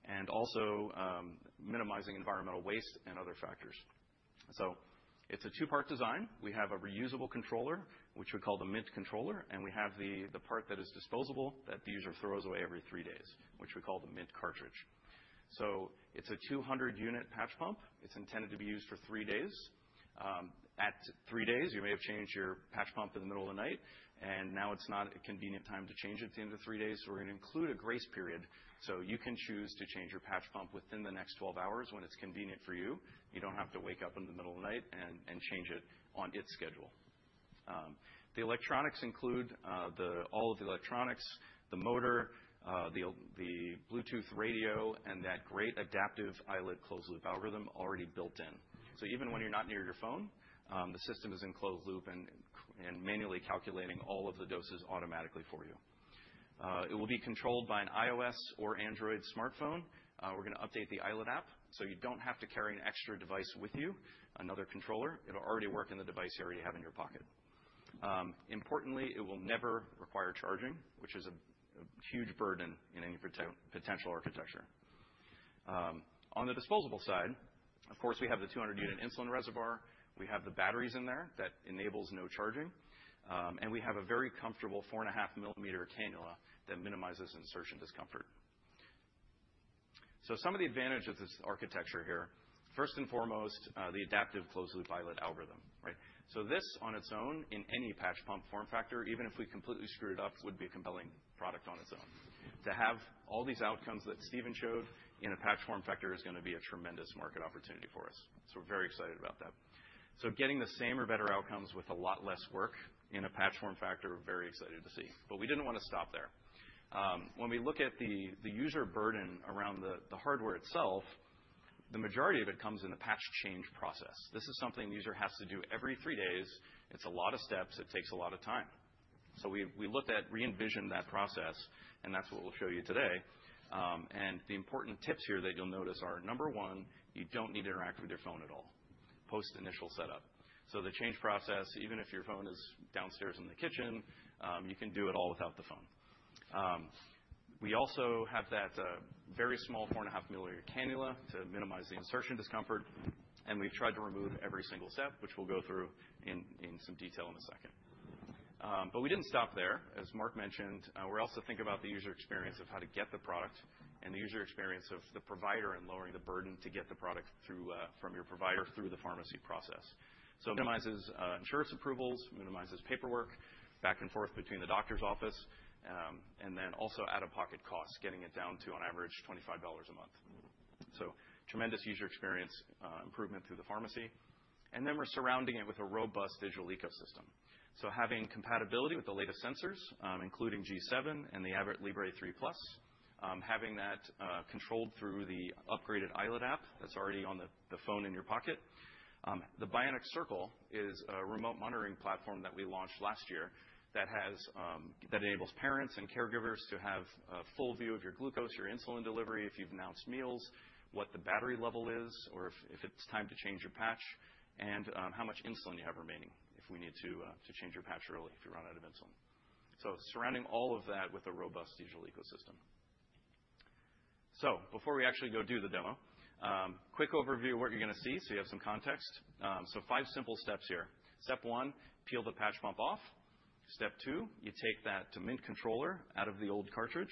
and also minimizing environmental waste and other factors. It is a two-part design. We have a reusable controller, which we call the Mint controller. And we have the part that is disposable that the user throws away every three days, which we call the Mint cartridge. It is a 200-unit patch pump. It is intended to be used for three days. At three days, you may have changed your patch pump in the middle of the night, and now it is not a convenient time to change it at the end of three days. We are going to include a grace period so you can choose to change your patch pump within the next 12 hours when it is convenient for you. You don't have to wake up in the middle of the night and change it on its schedule. The electronics include all of the electronics, the motor, the Bluetooth radio, and that great adaptive iLet closed-loop algorithm already built in. Even when you're not near your phone, the system is in closed loop and manually calculating all of the doses automatically for you. It will be controlled by an iOS or Android smartphone. We're going to update the iLet app so you don't have to carry an extra device with you, another controller. It'll already work in the device you already have in your pocket. Importantly, it will never require charging, which is a huge burden in any potential architecture. On the disposable side, of course, we have the 200-unit insulin reservoir. We have the batteries in there that enables no charging. We have a very comfortable 4.5 mm cannula that minimizes insertion discomfort. Some of the advantages of this architecture here, first and foremost, the adaptive closed-loop iLet algorithm. This on its own in any patch pump form factor, even if we completely screwed it up, would be a compelling product on its own. To have all these outcomes that Stephen showed in a patch form factor is going to be a tremendous market opportunity for us. We are very excited about that. Getting the same or better outcomes with a lot less work in a patch form factor, very excited to see. We did not want to stop there. When we look at the user burden around the hardware itself, the majority of it comes in the patch change process. This is something the user has to do every three days. It is a lot of steps. It takes a lot of time. We looked at re-envisioning that process, and that is what we will show you today. The important tips here that you will notice are, number one, you do not need to interact with your phone at all post-initial setup. The change process, even if your phone is downstairs in the kitchen, you can do it all without the phone. We also have that very small 4.5 mm cannula to minimize the insertion discomfort. We have tried to remove every single step, which we will go through in some detail in a second. We did not stop there. As Mark mentioned, we are also thinking about the user experience of how to get the product and the user experience of the provider and lowering the burden to get the product from your provider through the pharmacy process. It minimizes insurance approvals, minimizes paperwork, back and forth between the doctor's office, and also out-of-pocket costs, getting it down to, on average, $25 a month. Tremendous user experience improvement through the pharmacy. We are surrounding it with a robust digital ecosystem. Having compatibility with the latest sensors, including G7 and the Abbott Libre 3 Plus, having that controlled through the upgraded iLet app that is already on the phone in your pocket. The Bionic Circle is a remote monitoring platform that we launched last year that enables parents and caregivers to have a full view of your glucose, your insulin delivery if you have announced meals, what the battery level is, or if it is time to change your patch, and how much insulin you have remaining if we need to change your patch early if you run out of insulin. Surrounding all of that with a robust digital ecosystem. Before we actually go do the demo, quick overview of what you're going to see so you have some context. Five simple steps here. Step one, peel the patch pump off. Step two, you take that Mint controller out of the old cartridge.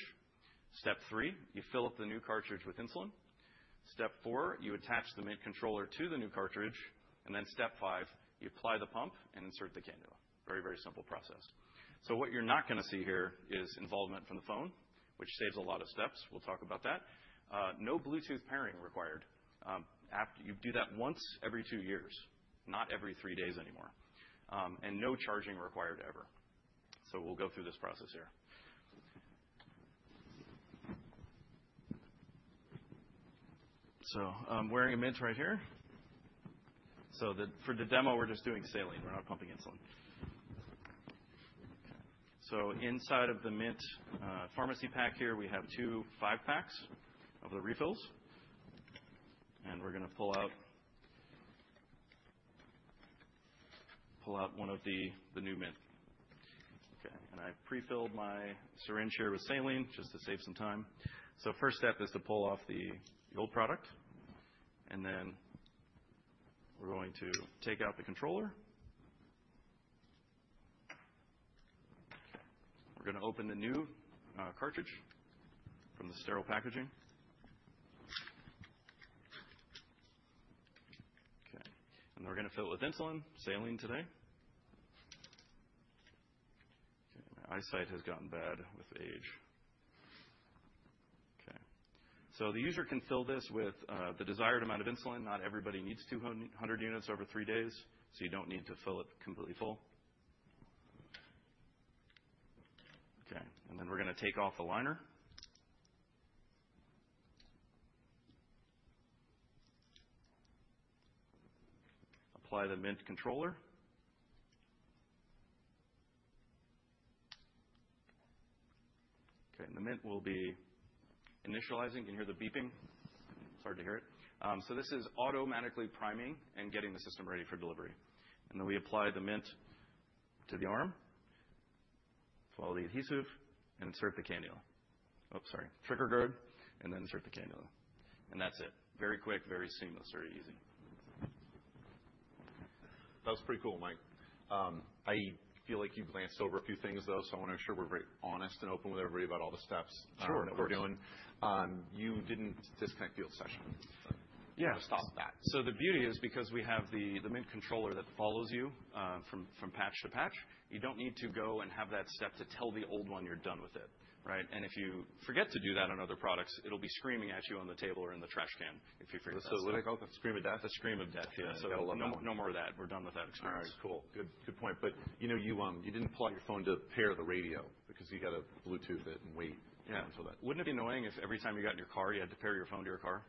Step three, you fill up the new cartridge with insulin. Step four, you attach the Mint controller to the new cartridge. Step five, you apply the pump and insert the cannula. Very, very simple process. What you're not going to see here is involvement from the phone, which saves a lot of steps. We'll talk about that. No Bluetooth pairing required. You do that once every two years, not every three days anymore. No charging required ever. We'll go through this process here. I'm wearing a Mint right here. For the demo, we're just doing saline. We're not pumping insulin. Inside of the Mint pharmacy pack here, we have two five-packs of the refills. We're going to pull out one of the new Mint. I've prefilled my syringe here with saline just to save some time. First step is to pull off the old product. We're going to take out the controller. We're going to open the new cartridge from the sterile packaging. We're going to fill it with insulin, saline today. My eyesight has gotten bad with age. The user can fill this with the desired amount of insulin. Not everybody needs 200 units over three days, so you don't need to fill it completely full. We're going to take off the liner, apply the Mint controller. The Mint will be initializing. You can hear the beeping. It's hard to hear it. This is automatically priming and getting the system ready for delivery. We apply the Mint to the arm, follow the adhesive, and insert the cannula. Oh, sorry. Trigger guard, and then insert the cannula. That's it. Very quick, very seamless, very easy. That was pretty cool, Mike. I feel like you glanced over a few things, though, so I want to make sure we're very honest and open with everybody about all the steps that we're doing. You didn't disconnect the old session. So we're going to stop that. Yeah. The beauty is because we have the Mint controller that follows you from patch to patch, you do not need to go and have that step to tell the old one you are done with it. If you forget to do that on other products, it will be screaming at you on the table or in the trash can if you forget to switch. It's like a scream of death? It's a scream of death, yeah. No more of that. We're done with that experience. All right. Cool. Good point. You did not pull out your phone to pair the radio because you have to Bluetooth it and wait until that. Yeah. Wouldn't it be annoying if every time you got in your car, you had to pair your phone to your car?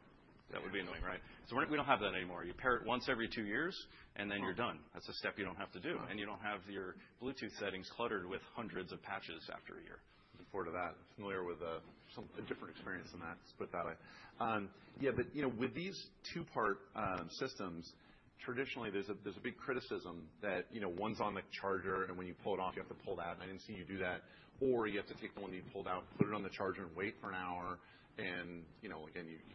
That would be annoying, right? We do not have that anymore. You pair it once every two years, and then you're done. That's a step you do not have to do. You do not have your Bluetooth settings cluttered with hundreds of patches after a year. Looking forward to that. I'm familiar with a different experience than that, to put it that way. Yeah, but with these two-part systems, traditionally, there's a big criticism that one's on the charger, and when you pull it off, you have to pull it out. I didn't see you do that. Or you have to take the one that you pulled out, put it on the charger, and wait for an hour. You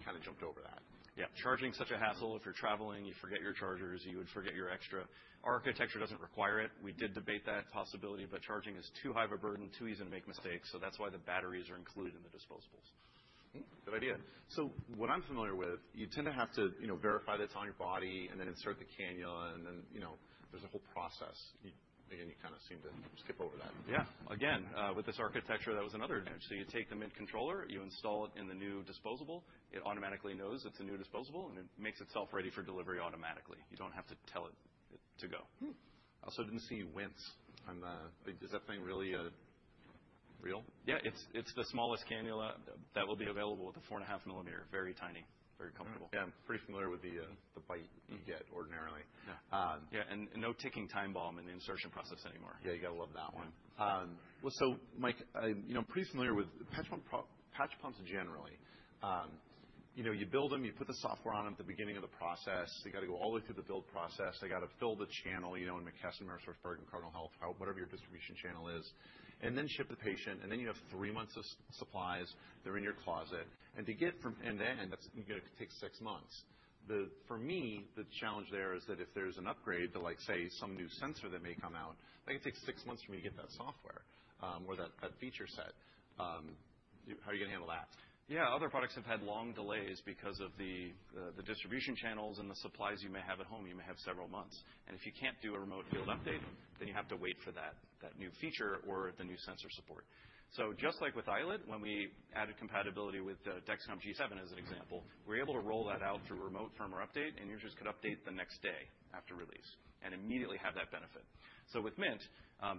kind of jumped over that. Yeah. Charging is such a hassle. If you're traveling, you forget your chargers, you would forget your extra. Architecture doesn't require it. We did debate that possibility, but charging is too high of a burden, too easy to make mistakes. That is why the batteries are included in the disposables. Good idea. So what I'm familiar with, you tend to have to verify that it's on your body and then insert the cannula. And then there's a whole process. Again, you kind of seem to skip over that. Yeah. Again, with this architecture, that was another. So you take the Mint controller, you install it in the new disposable, it automatically knows it's a new disposable, and it makes itself ready for delivery automatically. You don't have to tell it to go. I also did not see Mint's. Is that thing really real? Yeah. It is the smallest cannula that will be available with the 4.5 mm. Very tiny, very comfortable. Yeah. I'm pretty familiar with the bite you get ordinarily. Yeah. No ticking time bomb in the insertion process anymore. Yeah. You got to love that one. Mike, I'm pretty familiar with patch pumps generally. You build them, you put the software on them at the beginning of the process. They got to go all the way through the build process. They got to fill the channel in McKesson, Cardinal Health, whatever your distribution channel is, and then ship to the patient. Then you have three months of supplies. They're in your closet. To get from end to end, you're going to take six months. For me, the challenge there is that if there's an upgrade to, say, some new sensor that may come out, that could take six months for me to get that software or that feature set. How are you going to handle that? Yeah. Other products have had long delays because of the distribution channels and the supplies you may have at home. You may have several months. If you can't do a remote field update, then you have to wait for that new feature or the new sensor support. Just like with iLet, when we added compatibility with Dexcom G7 as an example, we were able to roll that out through remote firmware update, and users could update the next day after release and immediately have that benefit. With Mint,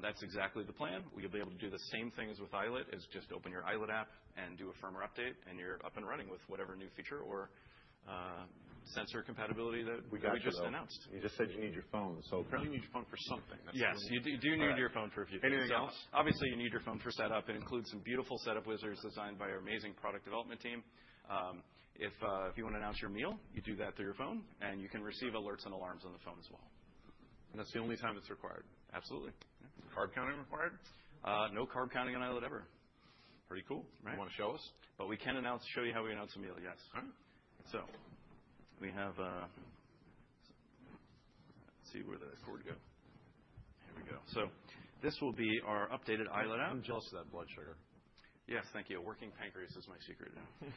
that's exactly the plan. You'll be able to do the same thing as with iLet. It's just open your iLet app and do a firmware update, and you're up and running with whatever new feature or sensor compatibility that we just announced. You just said you need your phone. Apparently you need your phone for something. Yeah. You do need your phone for a few things. Anything else? Obviously, you need your phone for setup. It includes some beautiful setup wizards designed by our amazing product development team. If you want to announce your meal, you do that through your phone, and you can receive alerts and alarms on the phone as well. That's the only time it's required? Absolutely. Carb counting required? No carb counting on iLet ever. Pretty cool. You want to show us? We can show you how we announce a meal, yes. All right. Let's see where the cord go. Here we go. This will be our updated iLet app. I'm jealous of that blood sugar. Yes. Thank you. Working pancreas is my secret now.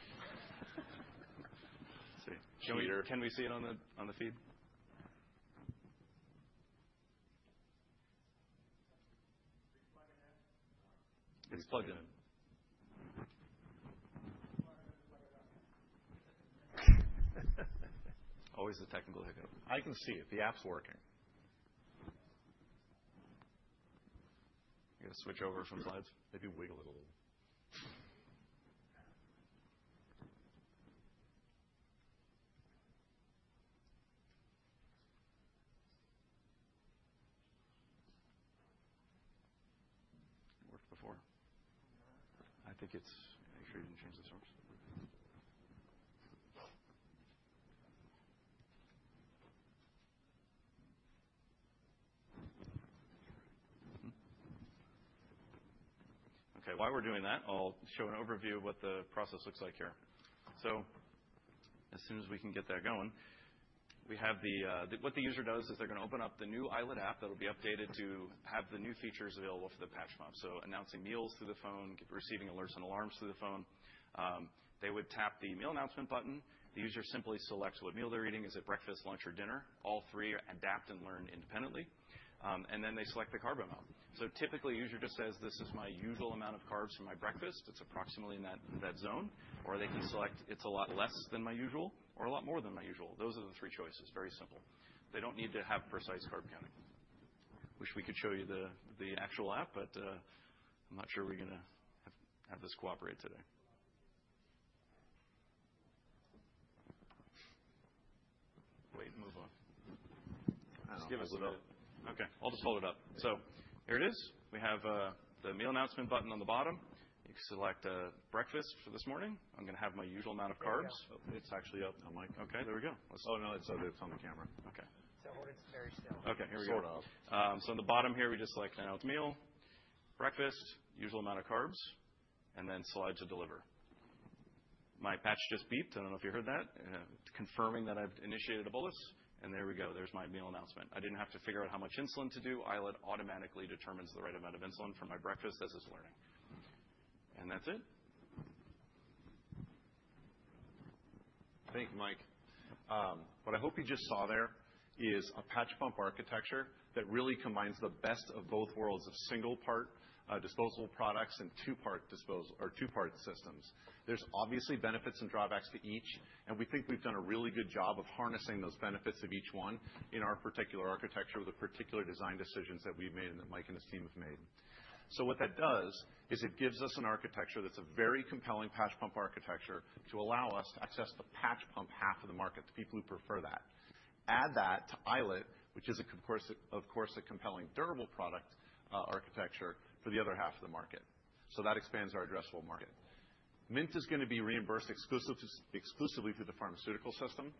Let's see. Can we see it on the feed? It's plugged in. Always a technical hiccup. I can see it. The app's working. I got to switch over from slides. Maybe wiggle it a little. Worked before. I think it's make sure you didn't change the source. Okay. While we're doing that, I'll show an overview of what the process looks like here. As soon as we can get that going, what the user does is they're going to open up the new iLet app that'll be updated to have the new features available for the patch pump. Announcing meals through the phone, receiving alerts and alarms through the phone. They would tap the meal announcement button. The user simply selects what meal they're eating. Is it breakfast, lunch, or dinner? All three adapt and learn independently. Then they select the carb amount. Typically, the user just says, "This is my usual amount of carbs for my breakfast." It's approximately in that zone. Or they can select, "It's a lot less than my usual," or, "A lot more than my usual." Those are the three choices. Very simple. They don't need to have precise carb counting. I wish we could show you the actual app, but I'm not sure we're going to have this cooperate today. Wait. Move on. Just give us a bit. Okay. I'll just pull it up. So here it is. We have the meal announcement button on the bottom. You can select breakfast for this morning. I'm going to have my usual amount of carbs. It's actually up now, Mike. Okay. There we go. Oh, no. It's on the camera. Hold it very still. Okay. Here we go. On the bottom here, we just select announce meal, breakfast, usual amount of carbs, and then slide to deliver. My patch just beeped. I do not know if you heard that. Confirming that I have initiated a bolus. There we go. There is my meal announcement. I did not have to figure out how much insulin to do. iLet automatically determines the right amount of insulin for my breakfast as it is learning. That is it. Thank you, Mike. What I hope you just saw there is a patch pump architecture that really combines the best of both worlds of single-part disposable products and two-part systems. There are obviously benefits and drawbacks to each, and we think we have done a really good job of harnessing those benefits of each one in our particular architecture with the particular design decisions that we have made and that Mike and his team have made. What that does is it gives us an architecture that's a very compelling patch pump architecture to allow us to access the patch pump half of the market, the people who prefer that. Add that to iLet, which is, of course, a compelling durable product architecture for the other half of the market. That expands our addressable market. Mint is going to be reimbursed exclusively through the pharmaceutical system.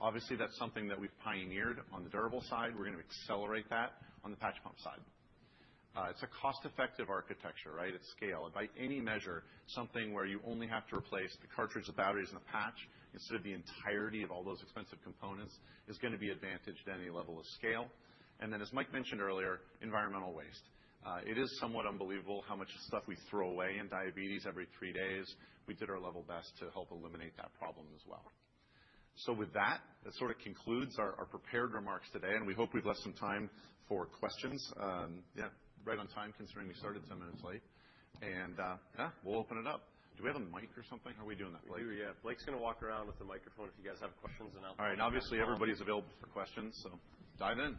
Obviously, that's something that we've pioneered on the durable side. We're going to accelerate that on the patch pump side. It's a cost-effective architecture, right? It's scale. By any measure, something where you only have to replace the cartridge, the batteries, and the patch instead of the entirety of all those expensive components is going to be advantaged at any level of scale. As Mike mentioned earlier, environmental waste. It is somewhat unbelievable how much stuff we throw away in diabetes every three days. We did our level best to help eliminate that problem as well. With that, that sort of concludes our prepared remarks today. We hope we have left some time for questions. Yeah. Right on time, considering we started 10 minutes late. Yeah, we will open it up. Do we have a mic or something? How are we doing that, Blake? We do, yeah. Blake's going to walk around with the microphone if you guys have questions and output. All right. Obviously, everybody's available for questions, so dive in.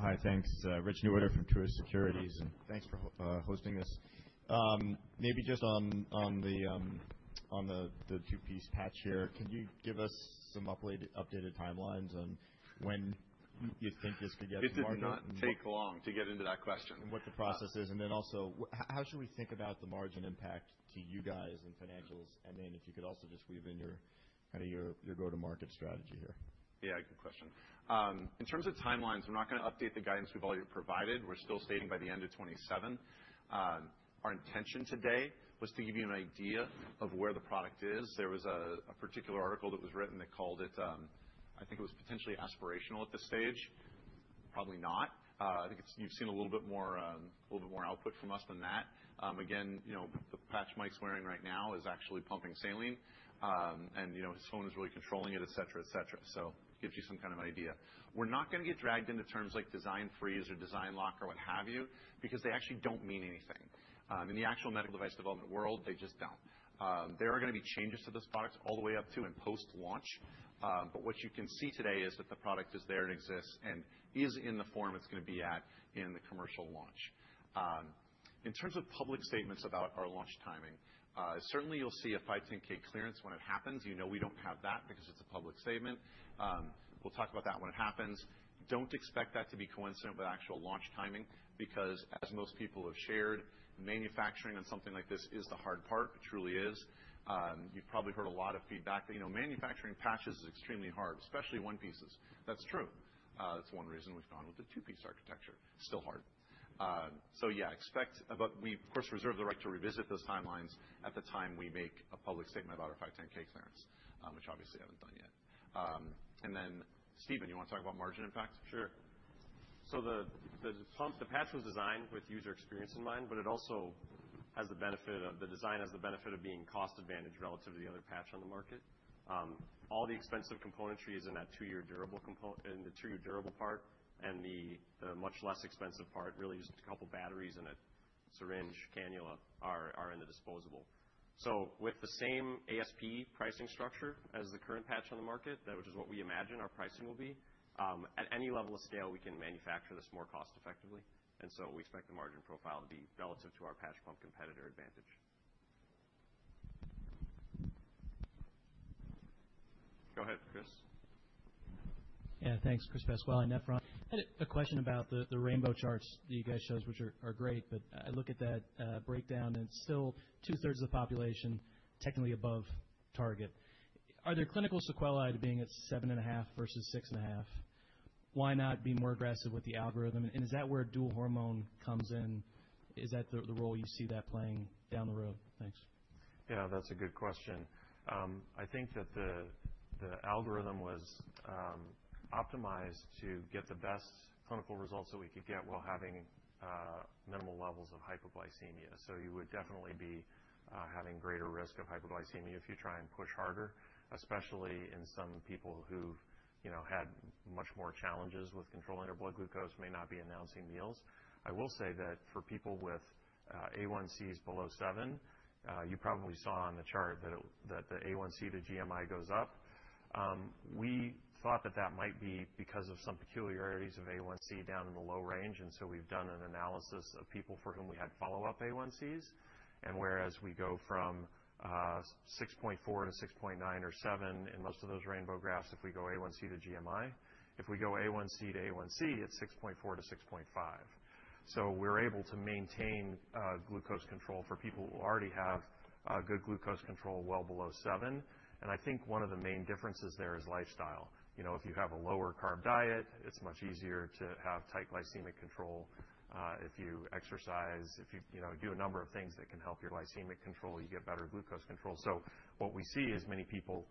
Hi. Thanks. Rich Newitter from Truist Securities, and thanks for hosting this. Maybe just on the two-piece patch here, can you give us some updated timelines on when you think this could get to the market? It did not take long to get into that question. What the process is. And then also, how should we think about the margin impact to you guys and financials? And then if you could also just weave in kind of your go-to-market strategy here. Yeah. Good question. In terms of timelines, we're not going to update the guidance we've already provided. We're still stating by the end of 2027. Our intention today was to give you an idea of where the product is. There was a particular article that was written that called it, I think it was potentially aspirational at this stage. Probably not. I think you've seen a little bit more output from us than that. Again, the patch Mike's wearing right now is actually pumping saline, and his phone is really controlling it, etc., etc. It gives you some kind of idea. We're not going to get dragged into terms like design freeze or design lock or what have you because they actually do not mean anything. In the actual medical device development world, they just do not. There are going to be changes to those products all the way up to and post-launch. But what you can see today is that the product is there and exists and is in the form it's going to be at in the commercial launch. In terms of public statements about our launch timing, certainly you'll see a 510(k) clearance when it happens. You know we don't have that because it's a public statement. We'll talk about that when it happens. Don't expect that to be coincident with actual launch timing because, as most people have shared, manufacturing on something like this is the hard part. It truly is. You've probably heard a lot of feedback that manufacturing patches is extremely hard, especially one-pieces. That's true. That's one reason we've gone with the two-piece architecture. Still hard. So yeah, expect. We, of course, reserve the right to revisit those timelines at the time we make a public statement about our 510(k) clearance, which obviously we haven't done yet. Steven, you want to talk about margin impact? Sure. The patch was designed with user experience in mind, but it also has the benefit of the design being cost-advantage relative to the other patch on the market. All the expensive componentry is in that two-year durable part, and the much less expensive part, really just a couple of batteries and a syringe cannula, are in the disposable. With the same ASP pricing structure as the current patch on the market, which is what we imagine our pricing will be, at any level of scale, we can manufacture this more cost-effectively. We expect the margin profile to be relative to our patch pump competitor advantage. Go ahead, Chris. Yeah. Thanks, Chris Pascual. I had a question about the rainbow charts that you guys showed, which are great, but I look at that breakdown, and it's still two-thirds of the population technically above target. Are there clinical sequelae to being at 7.5 versus 6.5? Why not be more aggressive with the algorithm? Is that where dual hormone comes in? Is that the role you see that playing down the road? Thanks. Yeah. That's a good question. I think that the algorithm was optimized to get the best clinical results that we could get while having minimal levels of hypoglycemia. You would definitely be having greater risk of hypoglycemia if you try and push harder, especially in some people who've had much more challenges with controlling their blood glucose, may not be announcing meals. I will say that for people with A1Cs below 7, you probably saw on the chart that the A1C to GMI goes up. We thought that that might be because of some peculiarities of A1C down in the low range. We have done an analysis of people for whom we had follow-up A1Cs. Whereas we go from 6.4 to 6.9 or 7 in most of those rainbow graphs, if we go A1C to GMI. If we go A1C to A1C, it's 6.4 to 6.5. We're able to maintain glucose control for people who already have good glucose control well below 7. I think one of the main differences there is lifestyle. If you have a lower-carb diet, it's much easier to have tight glycemic control. If you exercise, if you do a number of things that can help your glycemic control, you get better glucose control. What we see is many people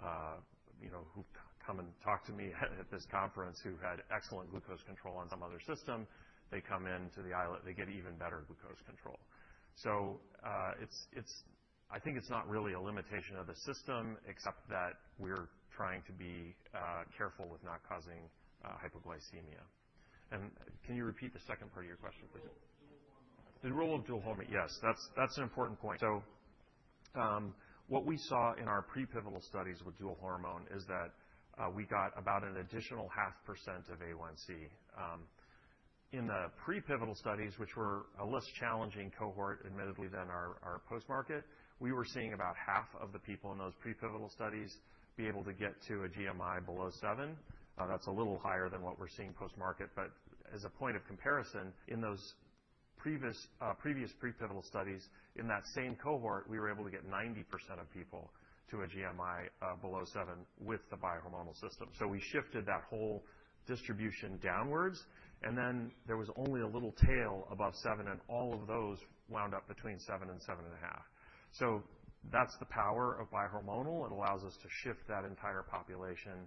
who come and talk to me at this conference who had excellent glucose control on some other system, they come into the iLet, they get even better glucose control. I think it's not really a limitation of the system, except that we're trying to be careful with not causing hypoglycemia. Can you repeat the second part of your question, please? The dual hormone. The role of dual hormone. Yes. That's an important point. What we saw in our pre-pivotal studies with dual hormone is that we got about an additional 0.5% of A1C. In the pre-pivotal studies, which were a less challenging cohort, admittedly, than our post-market, we were seeing about half of the people in those pre-pivotal studies be able to get to a GMI below 7. That's a little higher than what we're seeing post-market. As a point of comparison, in those previous pre-pivotal studies, in that same cohort, we were able to get 90% of people to a GMI below 7 with the bi-hormonal system. We shifted that whole distribution downwards. There was only a little tail above 7, and all of those wound up between 7 and 7.5. That's the power of bi-hormonal. It allows us to shift that entire population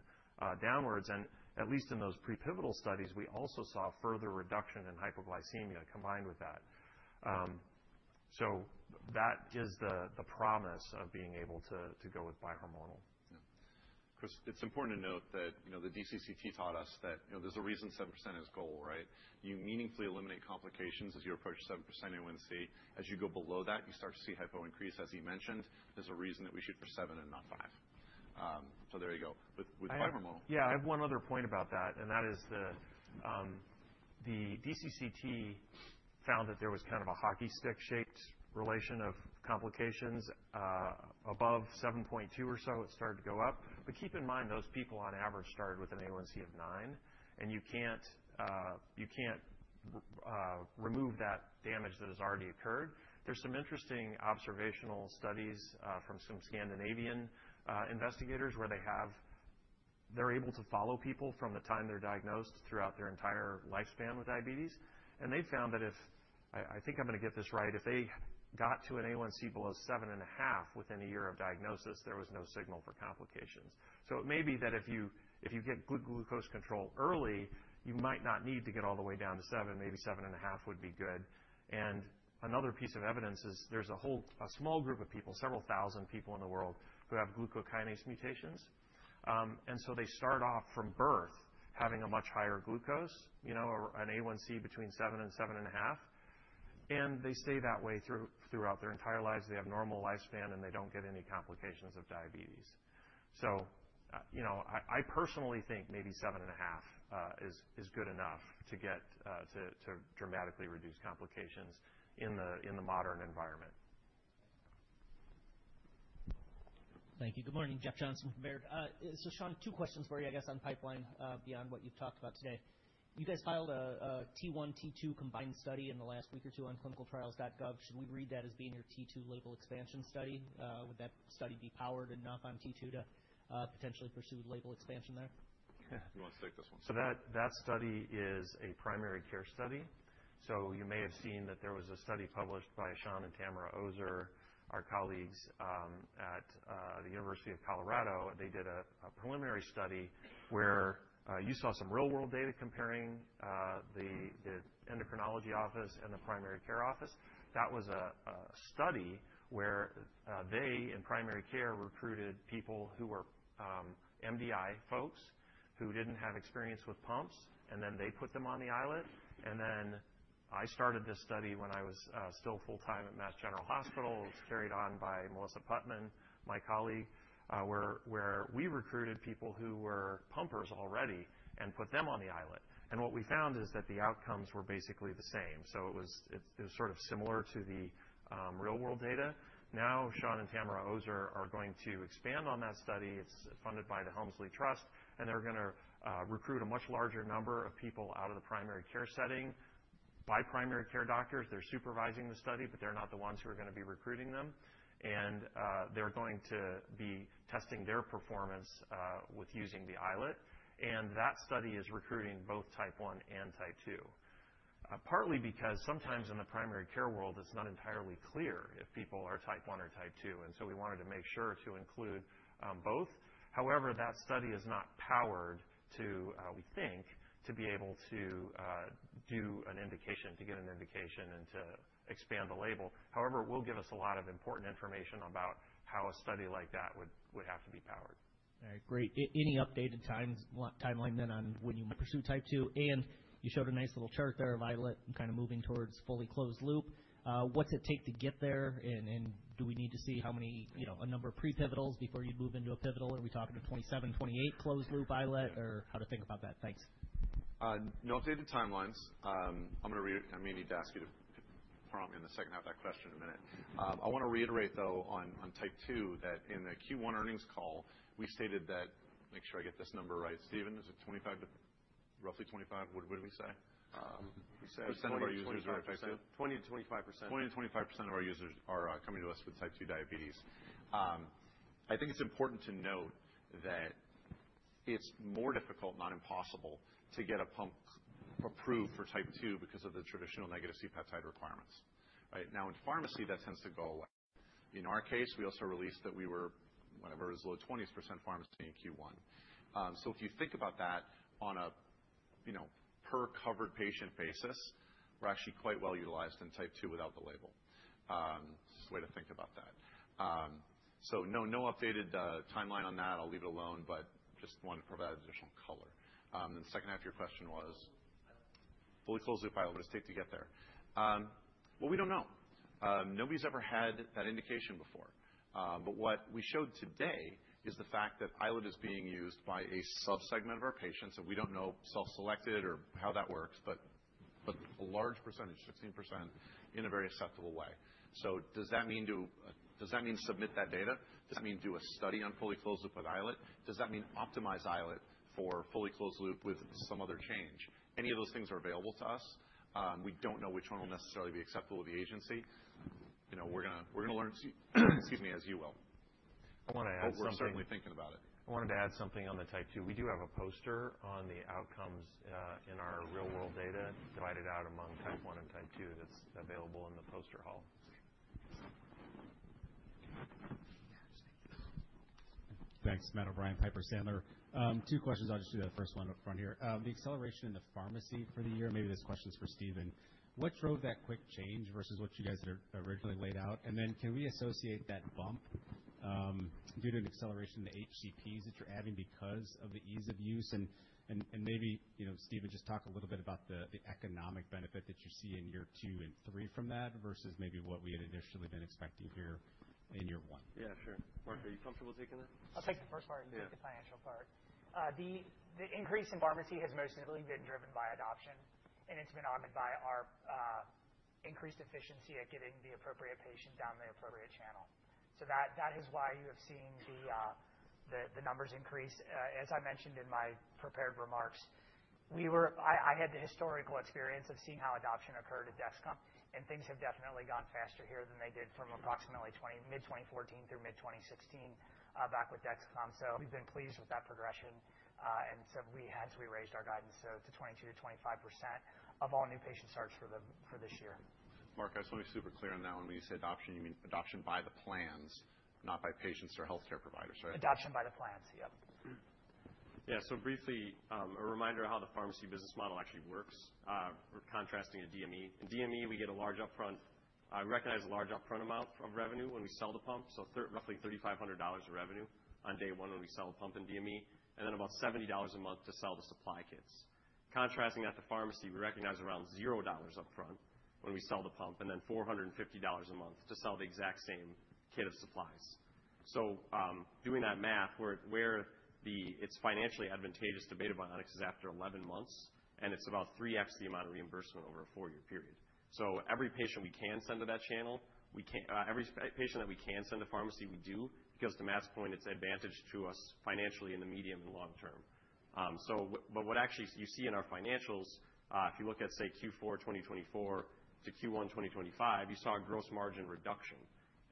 downwards. At least in those pre-pivotal studies, we also saw further reduction in hypoglycemia combined with that. That is the promise of being able to go with bi-hormonal. Yeah. Chris, it's important to note that the DCCT taught us that there's a reason 7% is goal, right? You meaningfully eliminate complications as you approach 7% A1C. As you go below that, you start to see hypo increase, as he mentioned. There's a reason that we shoot for 7 and not 5. So there you go. With bi-hormone. Yeah. I have one other point about that. That is the DCCT found that there was kind of a hockey stick-shaped relation of complications. Above 7.2 or so, it started to go up. Keep in mind, those people on average started with an A1C of 9, and you can't remove that damage that has already occurred. There are some interesting observational studies from some Scandinavian investigators where they're able to follow people from the time they're diagnosed throughout their entire lifespan with diabetes. They found that if, I think I'm going to get this right, if they got to an A1C below 7.5 within a year of diagnosis, there was no signal for complications. It may be that if you get good glucose control early, you might not need to get all the way down to 7. Maybe 7.5 would be good. Another piece of evidence is there's a small group of people, several thousand people in the world, who have glucokinase mutations. They start off from birth having a much higher glucose, an A1C between 7 and 7.5. They stay that way throughout their entire lives. They have normal lifespan, and they do not get any complications of diabetes. I personally think maybe 7.5 is good enough to dramatically reduce complications in the modern environment. Thank you. Good morning. Jeff Johnson from Baird. Sean, two questions for you, I guess, on pipeline beyond what you've talked about today. You guys filed a T1, T2 combined study in the last week or two on clinicaltrials.gov. Should we read that as being your T2 label expansion study? Would that study be powered enough on T2 to potentially pursue label expansion there? Yeah. You want to take this one? That study is a primary care study. You may have seen that there was a study published by Sean and Tamara Ozer, our colleagues at the University of Colorado. They did a preliminary study where you saw some real-world data comparing the endocrinology office and the primary care office. That was a study where they in primary care recruited people who were MDI folks who did not have experience with pumps, and then they put them on the iLet. I started this study when I was still full-time at Mass General Hospital. It was carried on by Melissa Putman, my colleague, where we recruited people who were pumpers already and put them on the iLet. What we found is that the outcomes were basically the same. It was sort of similar to the real-world data. Now, Sean and Tamara Ozer are going to expand on that study. It's funded by the Helmsley Trust, and they're going to recruit a much larger number of people out of the primary care setting by primary care doctors. They're supervising the study, but they're not the ones who are going to be recruiting them. They're going to be testing their performance with using the iLet. That study is recruiting both type 1 and type 2, partly because sometimes in the primary care world, it's not entirely clear if people are type 1 or type 2. We wanted to make sure to include both. However, that study is not powered, we think, to be able to do an indication, to get an indication, and to expand the label. However, it will give us a lot of important information about how a study like that would have to be powered. All right. Great. Any updated timeline then on when you might pursue type 2? And you showed a nice little chart there of iLet kind of moving towards fully closed loop. What's it take to get there? And do we need to see a number of pre-pivotals before you'd move into a pivotal? Are we talking a 2027, 2028 closed loop iLet, or how to think about that? Thanks. No updated timelines. I may need to ask you to prompt me in the second half of that question in a minute. I want to reiterate, though, on type 2 that in the Q1 earnings call, we stated that, make sure I get this number right. Stephen, is it roughly 25? What did we say? 20%-25%. 20%-25% of our users are coming to us with type 2 diabetes. I think it's important to note that it's more difficult, not impossible, to get a pump approved for type 2 because of the traditional negative C-peptide requirements. Now, in pharmacy, that tends to go away. In our case, we also released that we were whenever it was low 20s% pharmacy in Q1. If you think about that on a per-covered patient basis, we're actually quite well utilized in type 2 without the label. It's just a way to think about that. No updated timeline on that. I'll leave it alone, but just wanted to provide additional color. The second half of your question was fully closed-loop iLet. What does it take to get there? We don't know. Nobody's ever had that indication before. What we showed today is the fact that iLet is being used by a subsegment of our patients. We do not know self-selected or how that works, but a large percentage, 16%, in a very acceptable way. Does that mean submit that data? Does that mean do a study on fully closed loop with iLet? Does that mean optimize iLet for fully closed loop with some other change? Any of those things are available to us. We do not know which one will necessarily be acceptable to the agency. We are going to learn. Excuse me, as you will. I want to add something. We're certainly thinking about it. I wanted to add something on the type 2. We do have a poster on the outcomes in our real-world data divided out among type 1 and type 2 that's available in the poster hall. Thanks. Matt O'Brien, Piper Sandler. Two questions. I'll just do that first one up front here. The acceleration in the pharmacy for the year, maybe this question's for Stephen, what drove that quick change versus what you guys had originally laid out? Can we associate that bump due to an acceleration in the HCPs that you're adding because of the ease of use? Maybe Stephen, just talk a little bit about the economic benefit that you see in year two and three from that versus maybe what we had initially been expecting here in year one. Yeah. Sure. Mark, are you comfortable taking that? I'll take the first part and take the financial part. The increase in pharmacy has most notably been driven by adoption, and it's been augmented by our increased efficiency at getting the appropriate patient down the appropriate channel. That is why you have seen the numbers increase. As I mentioned in my prepared remarks, I had the historical experience of seeing how adoption occurred at Dexcom, and things have definitely gone faster here than they did from approximately mid-2014 through mid-2016 back with Dexcom. We have been pleased with that progression. We raised our guidance to 22%-25% of all new patient starts for this year. Mark, I just want to be super clear on that. When you say adoption, you mean adoption by the plans, not by patients or healthcare providers, right? Adoption by the plans, yep. Yeah. So briefly, a reminder of how the pharmacy business model actually works. We're contrasting a DME. In DME, we get a large upfront. We recognize a large upfront amount of revenue when we sell the pump, so roughly $3,500 of revenue on day one when we sell the pump in DME, and then about $70 a month to sell the supply kits. Contrasting that to pharmacy, we recognize around $0 upfront when we sell the pump, and then $450 a month to sell the exact same kit of supplies. Doing that math, where it's financially advantageous to Beta Bionics is after 11 months, and it's about 3x the amount of reimbursement over a four-year period. Every patient we can send to that channel, every patient that we can send to pharmacy, we do, because to Matt's point, it's advantage to us financially in the medium and long term. What actually you see in our financials, if you look at, say, Q4 2024 to Q1 2025, you saw a gross margin reduction.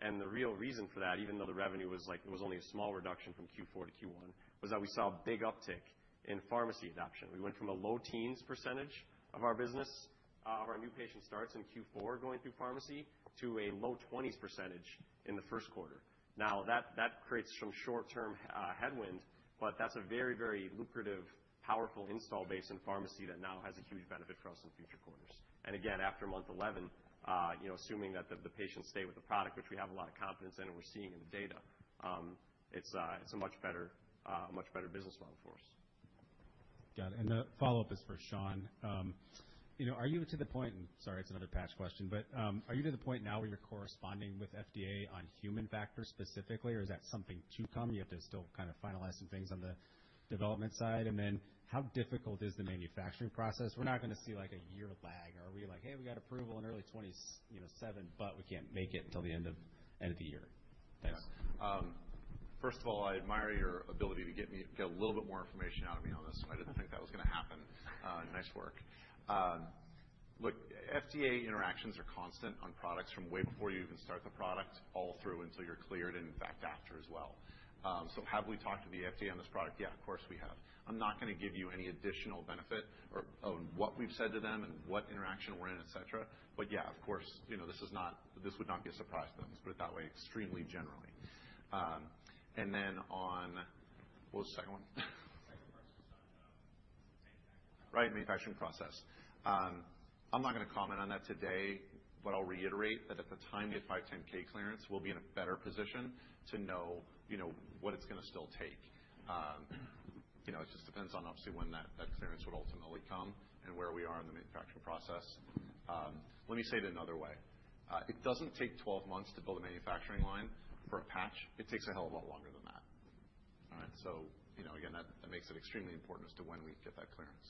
The real reason for that, even though the revenue was like it was only a small reduction from Q4 to Q1, was that we saw a big uptick in pharmacy adoption. We went from a low teens percentage of our business, of our new patient starts in Q4 going through pharmacy, to a low 20s percentage in the first quarter. That creates some short-term headwind, but that is a very, very lucrative, powerful install base in pharmacy that now has a huge benefit for us in future quarters. Again, after month 11, assuming that the patients stay with the product, which we have a lot of confidence in and we are seeing in the data, it is a much better business model for us. Got it. The follow-up is for Sean. Are you to the point, and sorry, it's another patch question, but are you to the point now where you're corresponding with FDA on human factors specifically, or is that something to come? You have to still kind of finalize some things on the development side. How difficult is the manufacturing process? We're not going to see like a year lag, or are we like, "Hey, we got approval in early 2027, but we can't make it until the end of the year." Thanks. First of all, I admire your ability to get a little bit more information out of me on this. I did not think that was going to happen. Nice work. Look, FDA interactions are constant on products from way before you even start the product all through until you are cleared and, in fact, after as well. So have we talked to the FDA on this product? Yeah, of course we have. I am not going to give you any additional benefit on what we have said to them and what interaction we are in, et cetera. Yeah, of course, this would not be a surprise to them. Let us put it that way extremely generally. And then on what was the second one? The second part is just on the manufacturing process. Right, manufacturing process. I'm not going to comment on that today, but I'll reiterate that at the time, the 510(k) clearance, we'll be in a better position to know what it's going to still take. It just depends on, obviously, when that clearance would ultimately come and where we are in the manufacturing process. Let me say it in another way. It doesn't take 12 months to build a manufacturing line for a patch. It takes a hell of a lot longer than that. All right. That makes it extremely important as to when we get that clearance.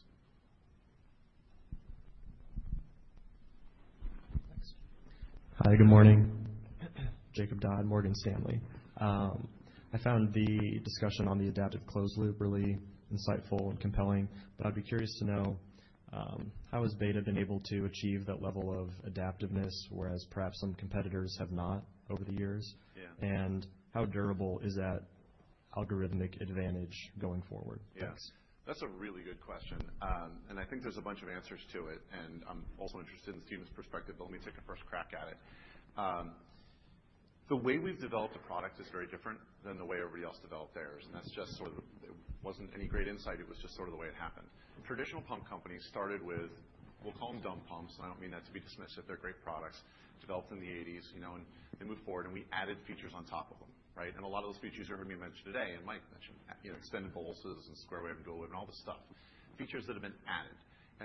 Thanks. Hi, good morning. Jakob Dodd, Morgan Stanley. I found the discussion on the adaptive closed-loop really insightful and compelling, but I'd be curious to know how has Beta been able to achieve that level of adaptiveness, whereas perhaps some competitors have not over the years? And how durable is that algorithmic advantage going forward? Thanks. Yeah. That's a really good question. I think there's a bunch of answers to it, and I'm also interested in Stephen's perspective, but let me take a first crack at it. The way we've developed a product is very different than the way everybody else developed theirs. That's just sort of—it wasn't any great insight. It was just sort of the way it happened. Traditional pump companies started with, we'll call them dumb pumps, and I don't mean that to be dismissive. They're great products, developed in the 1980s, and they moved forward, and we added features on top of them. A lot of those features are going to be mentioned today, and Mike mentioned extended boluses and square wave and dual wave and all this stuff, features that have been added.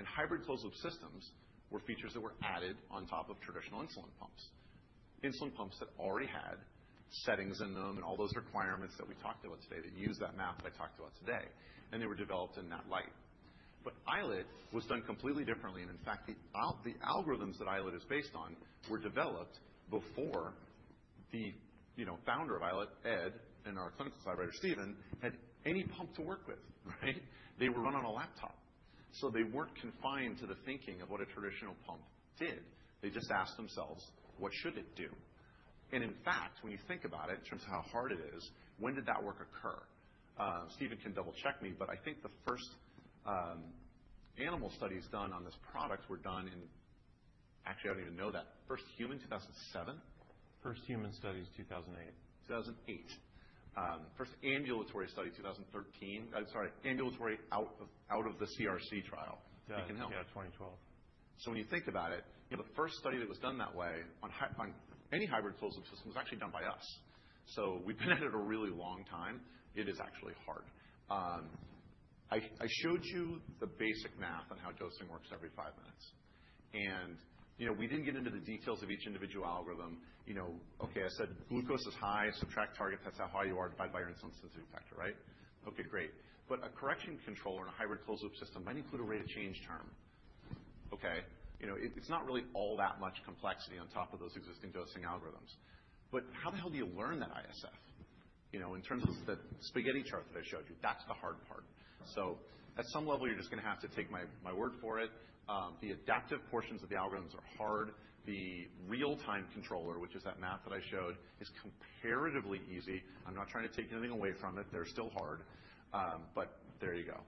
Hybrid closed-loop systems were features that were added on top of traditional insulin pumps, insulin pumps that already had settings in them and all those requirements that we talked about today that use that math that I talked about today. They were developed in that light. iLet was done completely differently. In fact, the algorithms that iLet is based on were developed before the founder of iLet, Ed, and our clinical collaborator, Stephen, had any pump to work with. They were run on a laptop. They were not confined to the thinking of what a traditional pump did. They just asked themselves, "What should it do?" In fact, when you think about it in terms of how hard it is, when did that work occur? Steven can double-check me, but I think the first animal studies done on this product were done in, actually, I do not even know that. First human 2007? First human studies 2008. 2008. First ambulatory study 2013. Sorry, ambulatory out of the CRC trial. Got it. We can help. Yeah, 2012. When you think about it, the first study that was done that way on any hybrid closed-loop system was actually done by us. We have been at it a really long time. It is actually hard. I showed you the basic math on how dosing works every five minutes. We did not get into the details of each individual algorithm. I said glucose is high. Subtract target. That is how high you are divided by your insulin sensitivity factor, right? Great. A correction controller in a hybrid closed-loop system might include a rate of change term. It is not really all that much complexity on top of those existing dosing algorithms. How the hell do you learn that ISF? In terms of the spaghetti chart that I showed you, that is the hard part. At some level, you're just going to have to take my word for it. The adaptive portions of the algorithms are hard. The real-time controller, which is that math that I showed, is comparatively easy. I'm not trying to take anything away from it. They're still hard. There you go.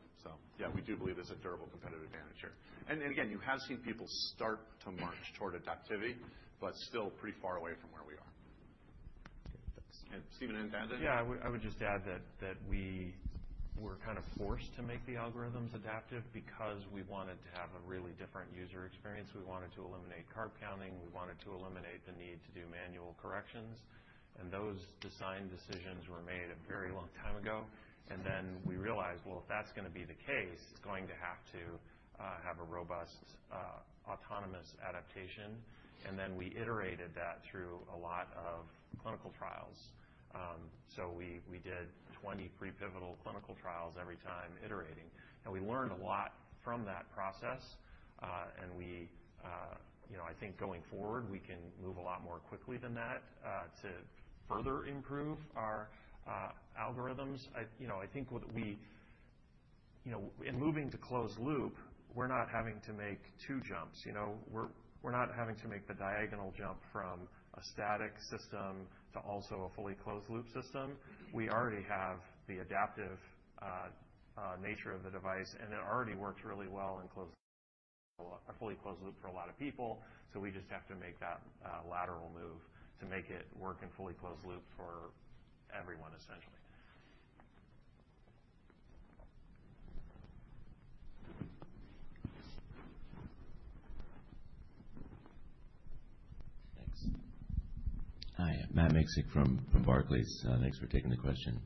Yeah, we do believe there's a durable competitive advantage here. Again, you have seen people start to Markh toward adaptivity, but still pretty far away from where we are. Great. Thanks. Steven and Brandon? Yeah. I would just add that we were kind of forced to make the algorithms adaptive because we wanted to have a really different user experience. We wanted to eliminate carb counting. We wanted to eliminate the need to do manual corrections. Those design decisions were made a very long time ago. We realized, if that's going to be the case, it's going to have to have a robust autonomous adaptation. We iterated that through a lot of clinical trials. We did 20 pre-pivotal clinical trials every time iterating. We learned a lot from that process. I think going forward, we can move a lot more quickly than that to further improve our algorithms. I think what we and moving to closed loop, we're not having to make two jumps. We're not having to make the diagonal jump from a static system to also a fully closed loop system. We already have the adaptive nature of the device, and it already works really well in closed loop, a fully closed loop for a lot of people. We just have to make that lateral move to make it work in fully closed loop for everyone, essentially. Thanks. Hi. Matt Miksic from Barclays. Thanks for taking the question.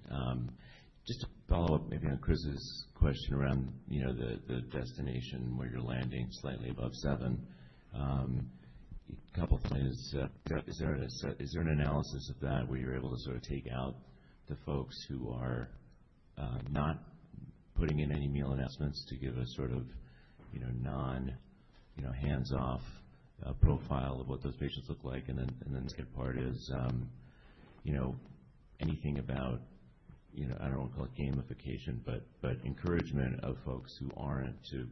Just to follow up maybe on Chris's question around the destination where you're landing slightly above seven, a couple of things. Is there an analysis of that where you're able to sort of take out the folks who are not putting in any meal investments to give a sort of non-hands-off profile of what those patients look like? The second part is anything about, I don't want to call it gamification, but encouragement of folks who aren't to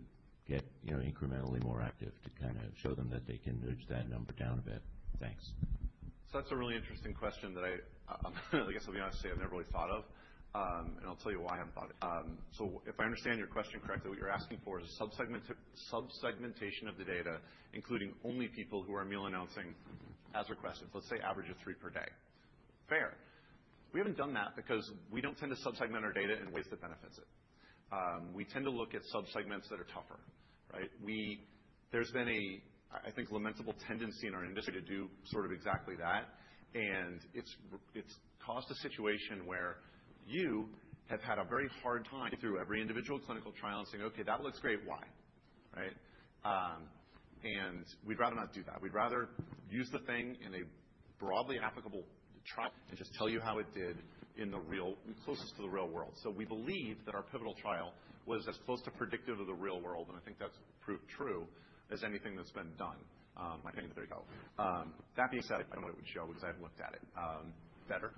get incrementally more active to kind of show them that they can nudge that number down a bit. Thanks. That's a really interesting question that I guess I'll be honest to say, I've never really thought of. I'll tell you why I haven't thought of it. If I understand your question correctly, what you're asking for is subsegmentation of the data, including only people who are meal announcing as requested. Let's say average of three per day. Fair. We haven't done that because we don't tend to subsegment our data in ways that benefits it. We tend to look at subsegments that are tougher. There's been a, I think, lamentable tendency in our industry to do sort of exactly that. It's caused a situation where you have had a very hard time getting through every individual clinical trial and saying, "Okay, that looks great. Why?" We'd rather not do that. We'd rather use the thing in a broadly applicable trial and just tell you how it did in the real closest to the real world. We believe that our pivotal trial was as close to predictive of the real world, and I think that's proved true as anything that's been done. My pain is there you go. That being said, I don't know what it would show because I haven't looked at it. Better.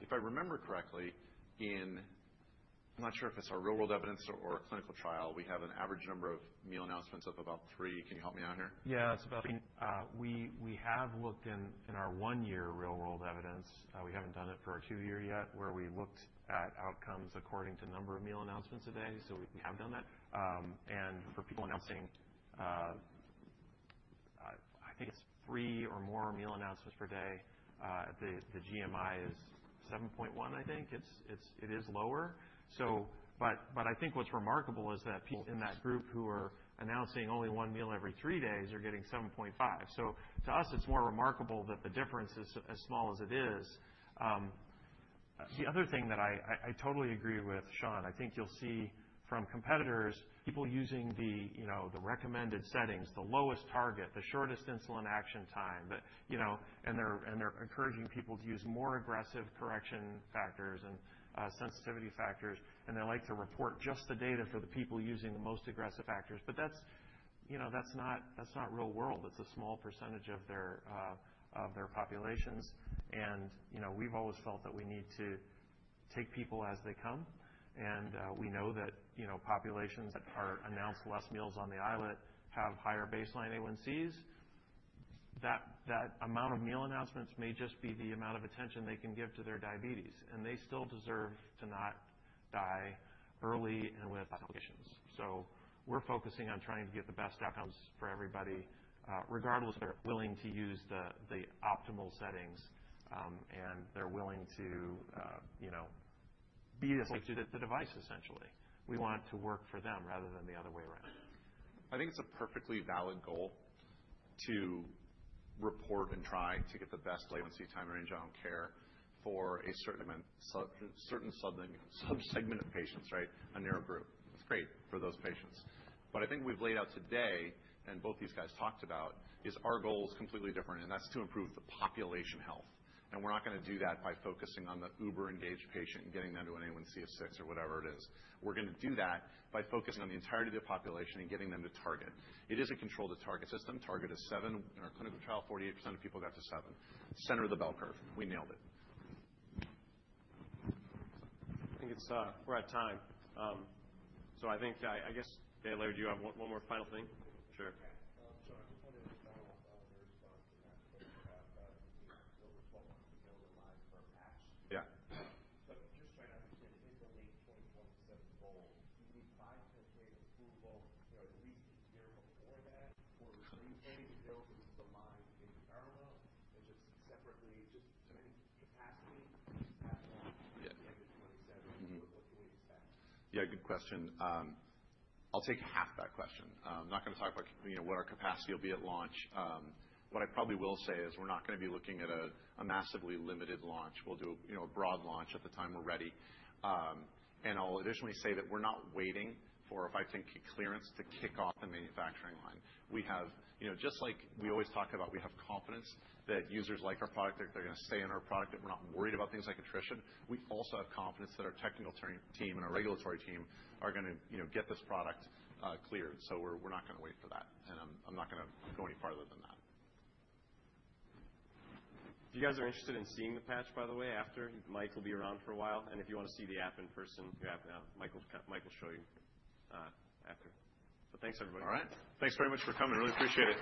If I remember correctly, in I'm not sure if it's our real-world evidence or a clinical trial, we have an average number of meal announcements of about three. Can you help me out here? Yeah, it's about. We have looked in our one-year real-world evidence. We haven't done it for a two-year yet where we looked at outcomes according to number of meal announcements a day. We have done that. For people announcing, I think it's three or more meal announcements per day, the GMI is 7.1, I think. It is lower. What is remarkable is that people in that group who are announcing only one meal every three days are getting 7.5. To us, it's more remarkable that the difference is as small as it is. The other thing that I totally agree with, Sean, I think you'll see from competitors, people using the recommended settings, the lowest target, the shortest insulin action time. They're encouraging people to use more aggressive correction factors and sensitivity factors. They like to report just the data for the people using the most aggressive factors. That is not real world. It is a small percentage of their populations. We have always felt that we need to take people as they come. We know that populations that announce less meals on the iLet have higher baseline A1Cs. That amount of meal announcements may just be the amount of attention they can give to their diabetes. They still deserve to not die early and with complications. We are focusing on trying to get the best outcomes for everybody, regardless if they are willing to use the optimal settings and they are willing to be as safe as the device, essentially. We want to work for them rather than the other way around. I think it's a perfectly valid goal to report and try to get the best latency time range, I don't care, for a certain subsegment of patients, a nearer group. That's great for those patients. I think we've laid out today, and both these guys talked about, is our goal is completely different. That's to improve the population health. We're not going to do that by focusing on the uber-engaged patient and getting them to an A1C of six or whatever it is. We're going to do that by focusing on the entirety of the population and getting them to target. It is a controlled-to-target system. Target is seven. In our clinical trial, 48% of people got to seven. Center of the bell curve. We nailed it. I think we're at time. I guess, Taylor, do you have one more final thing? Sure. Just like we always talk about, we have confidence that users like our product, that they're going to stay in our product, that we're not worried about things like attrition. We also have confidence that our technical team and our regulatory team are going to get this product cleared. We're not going to wait for that. I'm not going to go any farther than that. If you guys are interested in seeing the patch, by the way, after, Mike will be around for a while. If you want to see the app in person, Michael will show you after. Thanks, everybody. All right. Thanks very much for coming. Really appreciate it.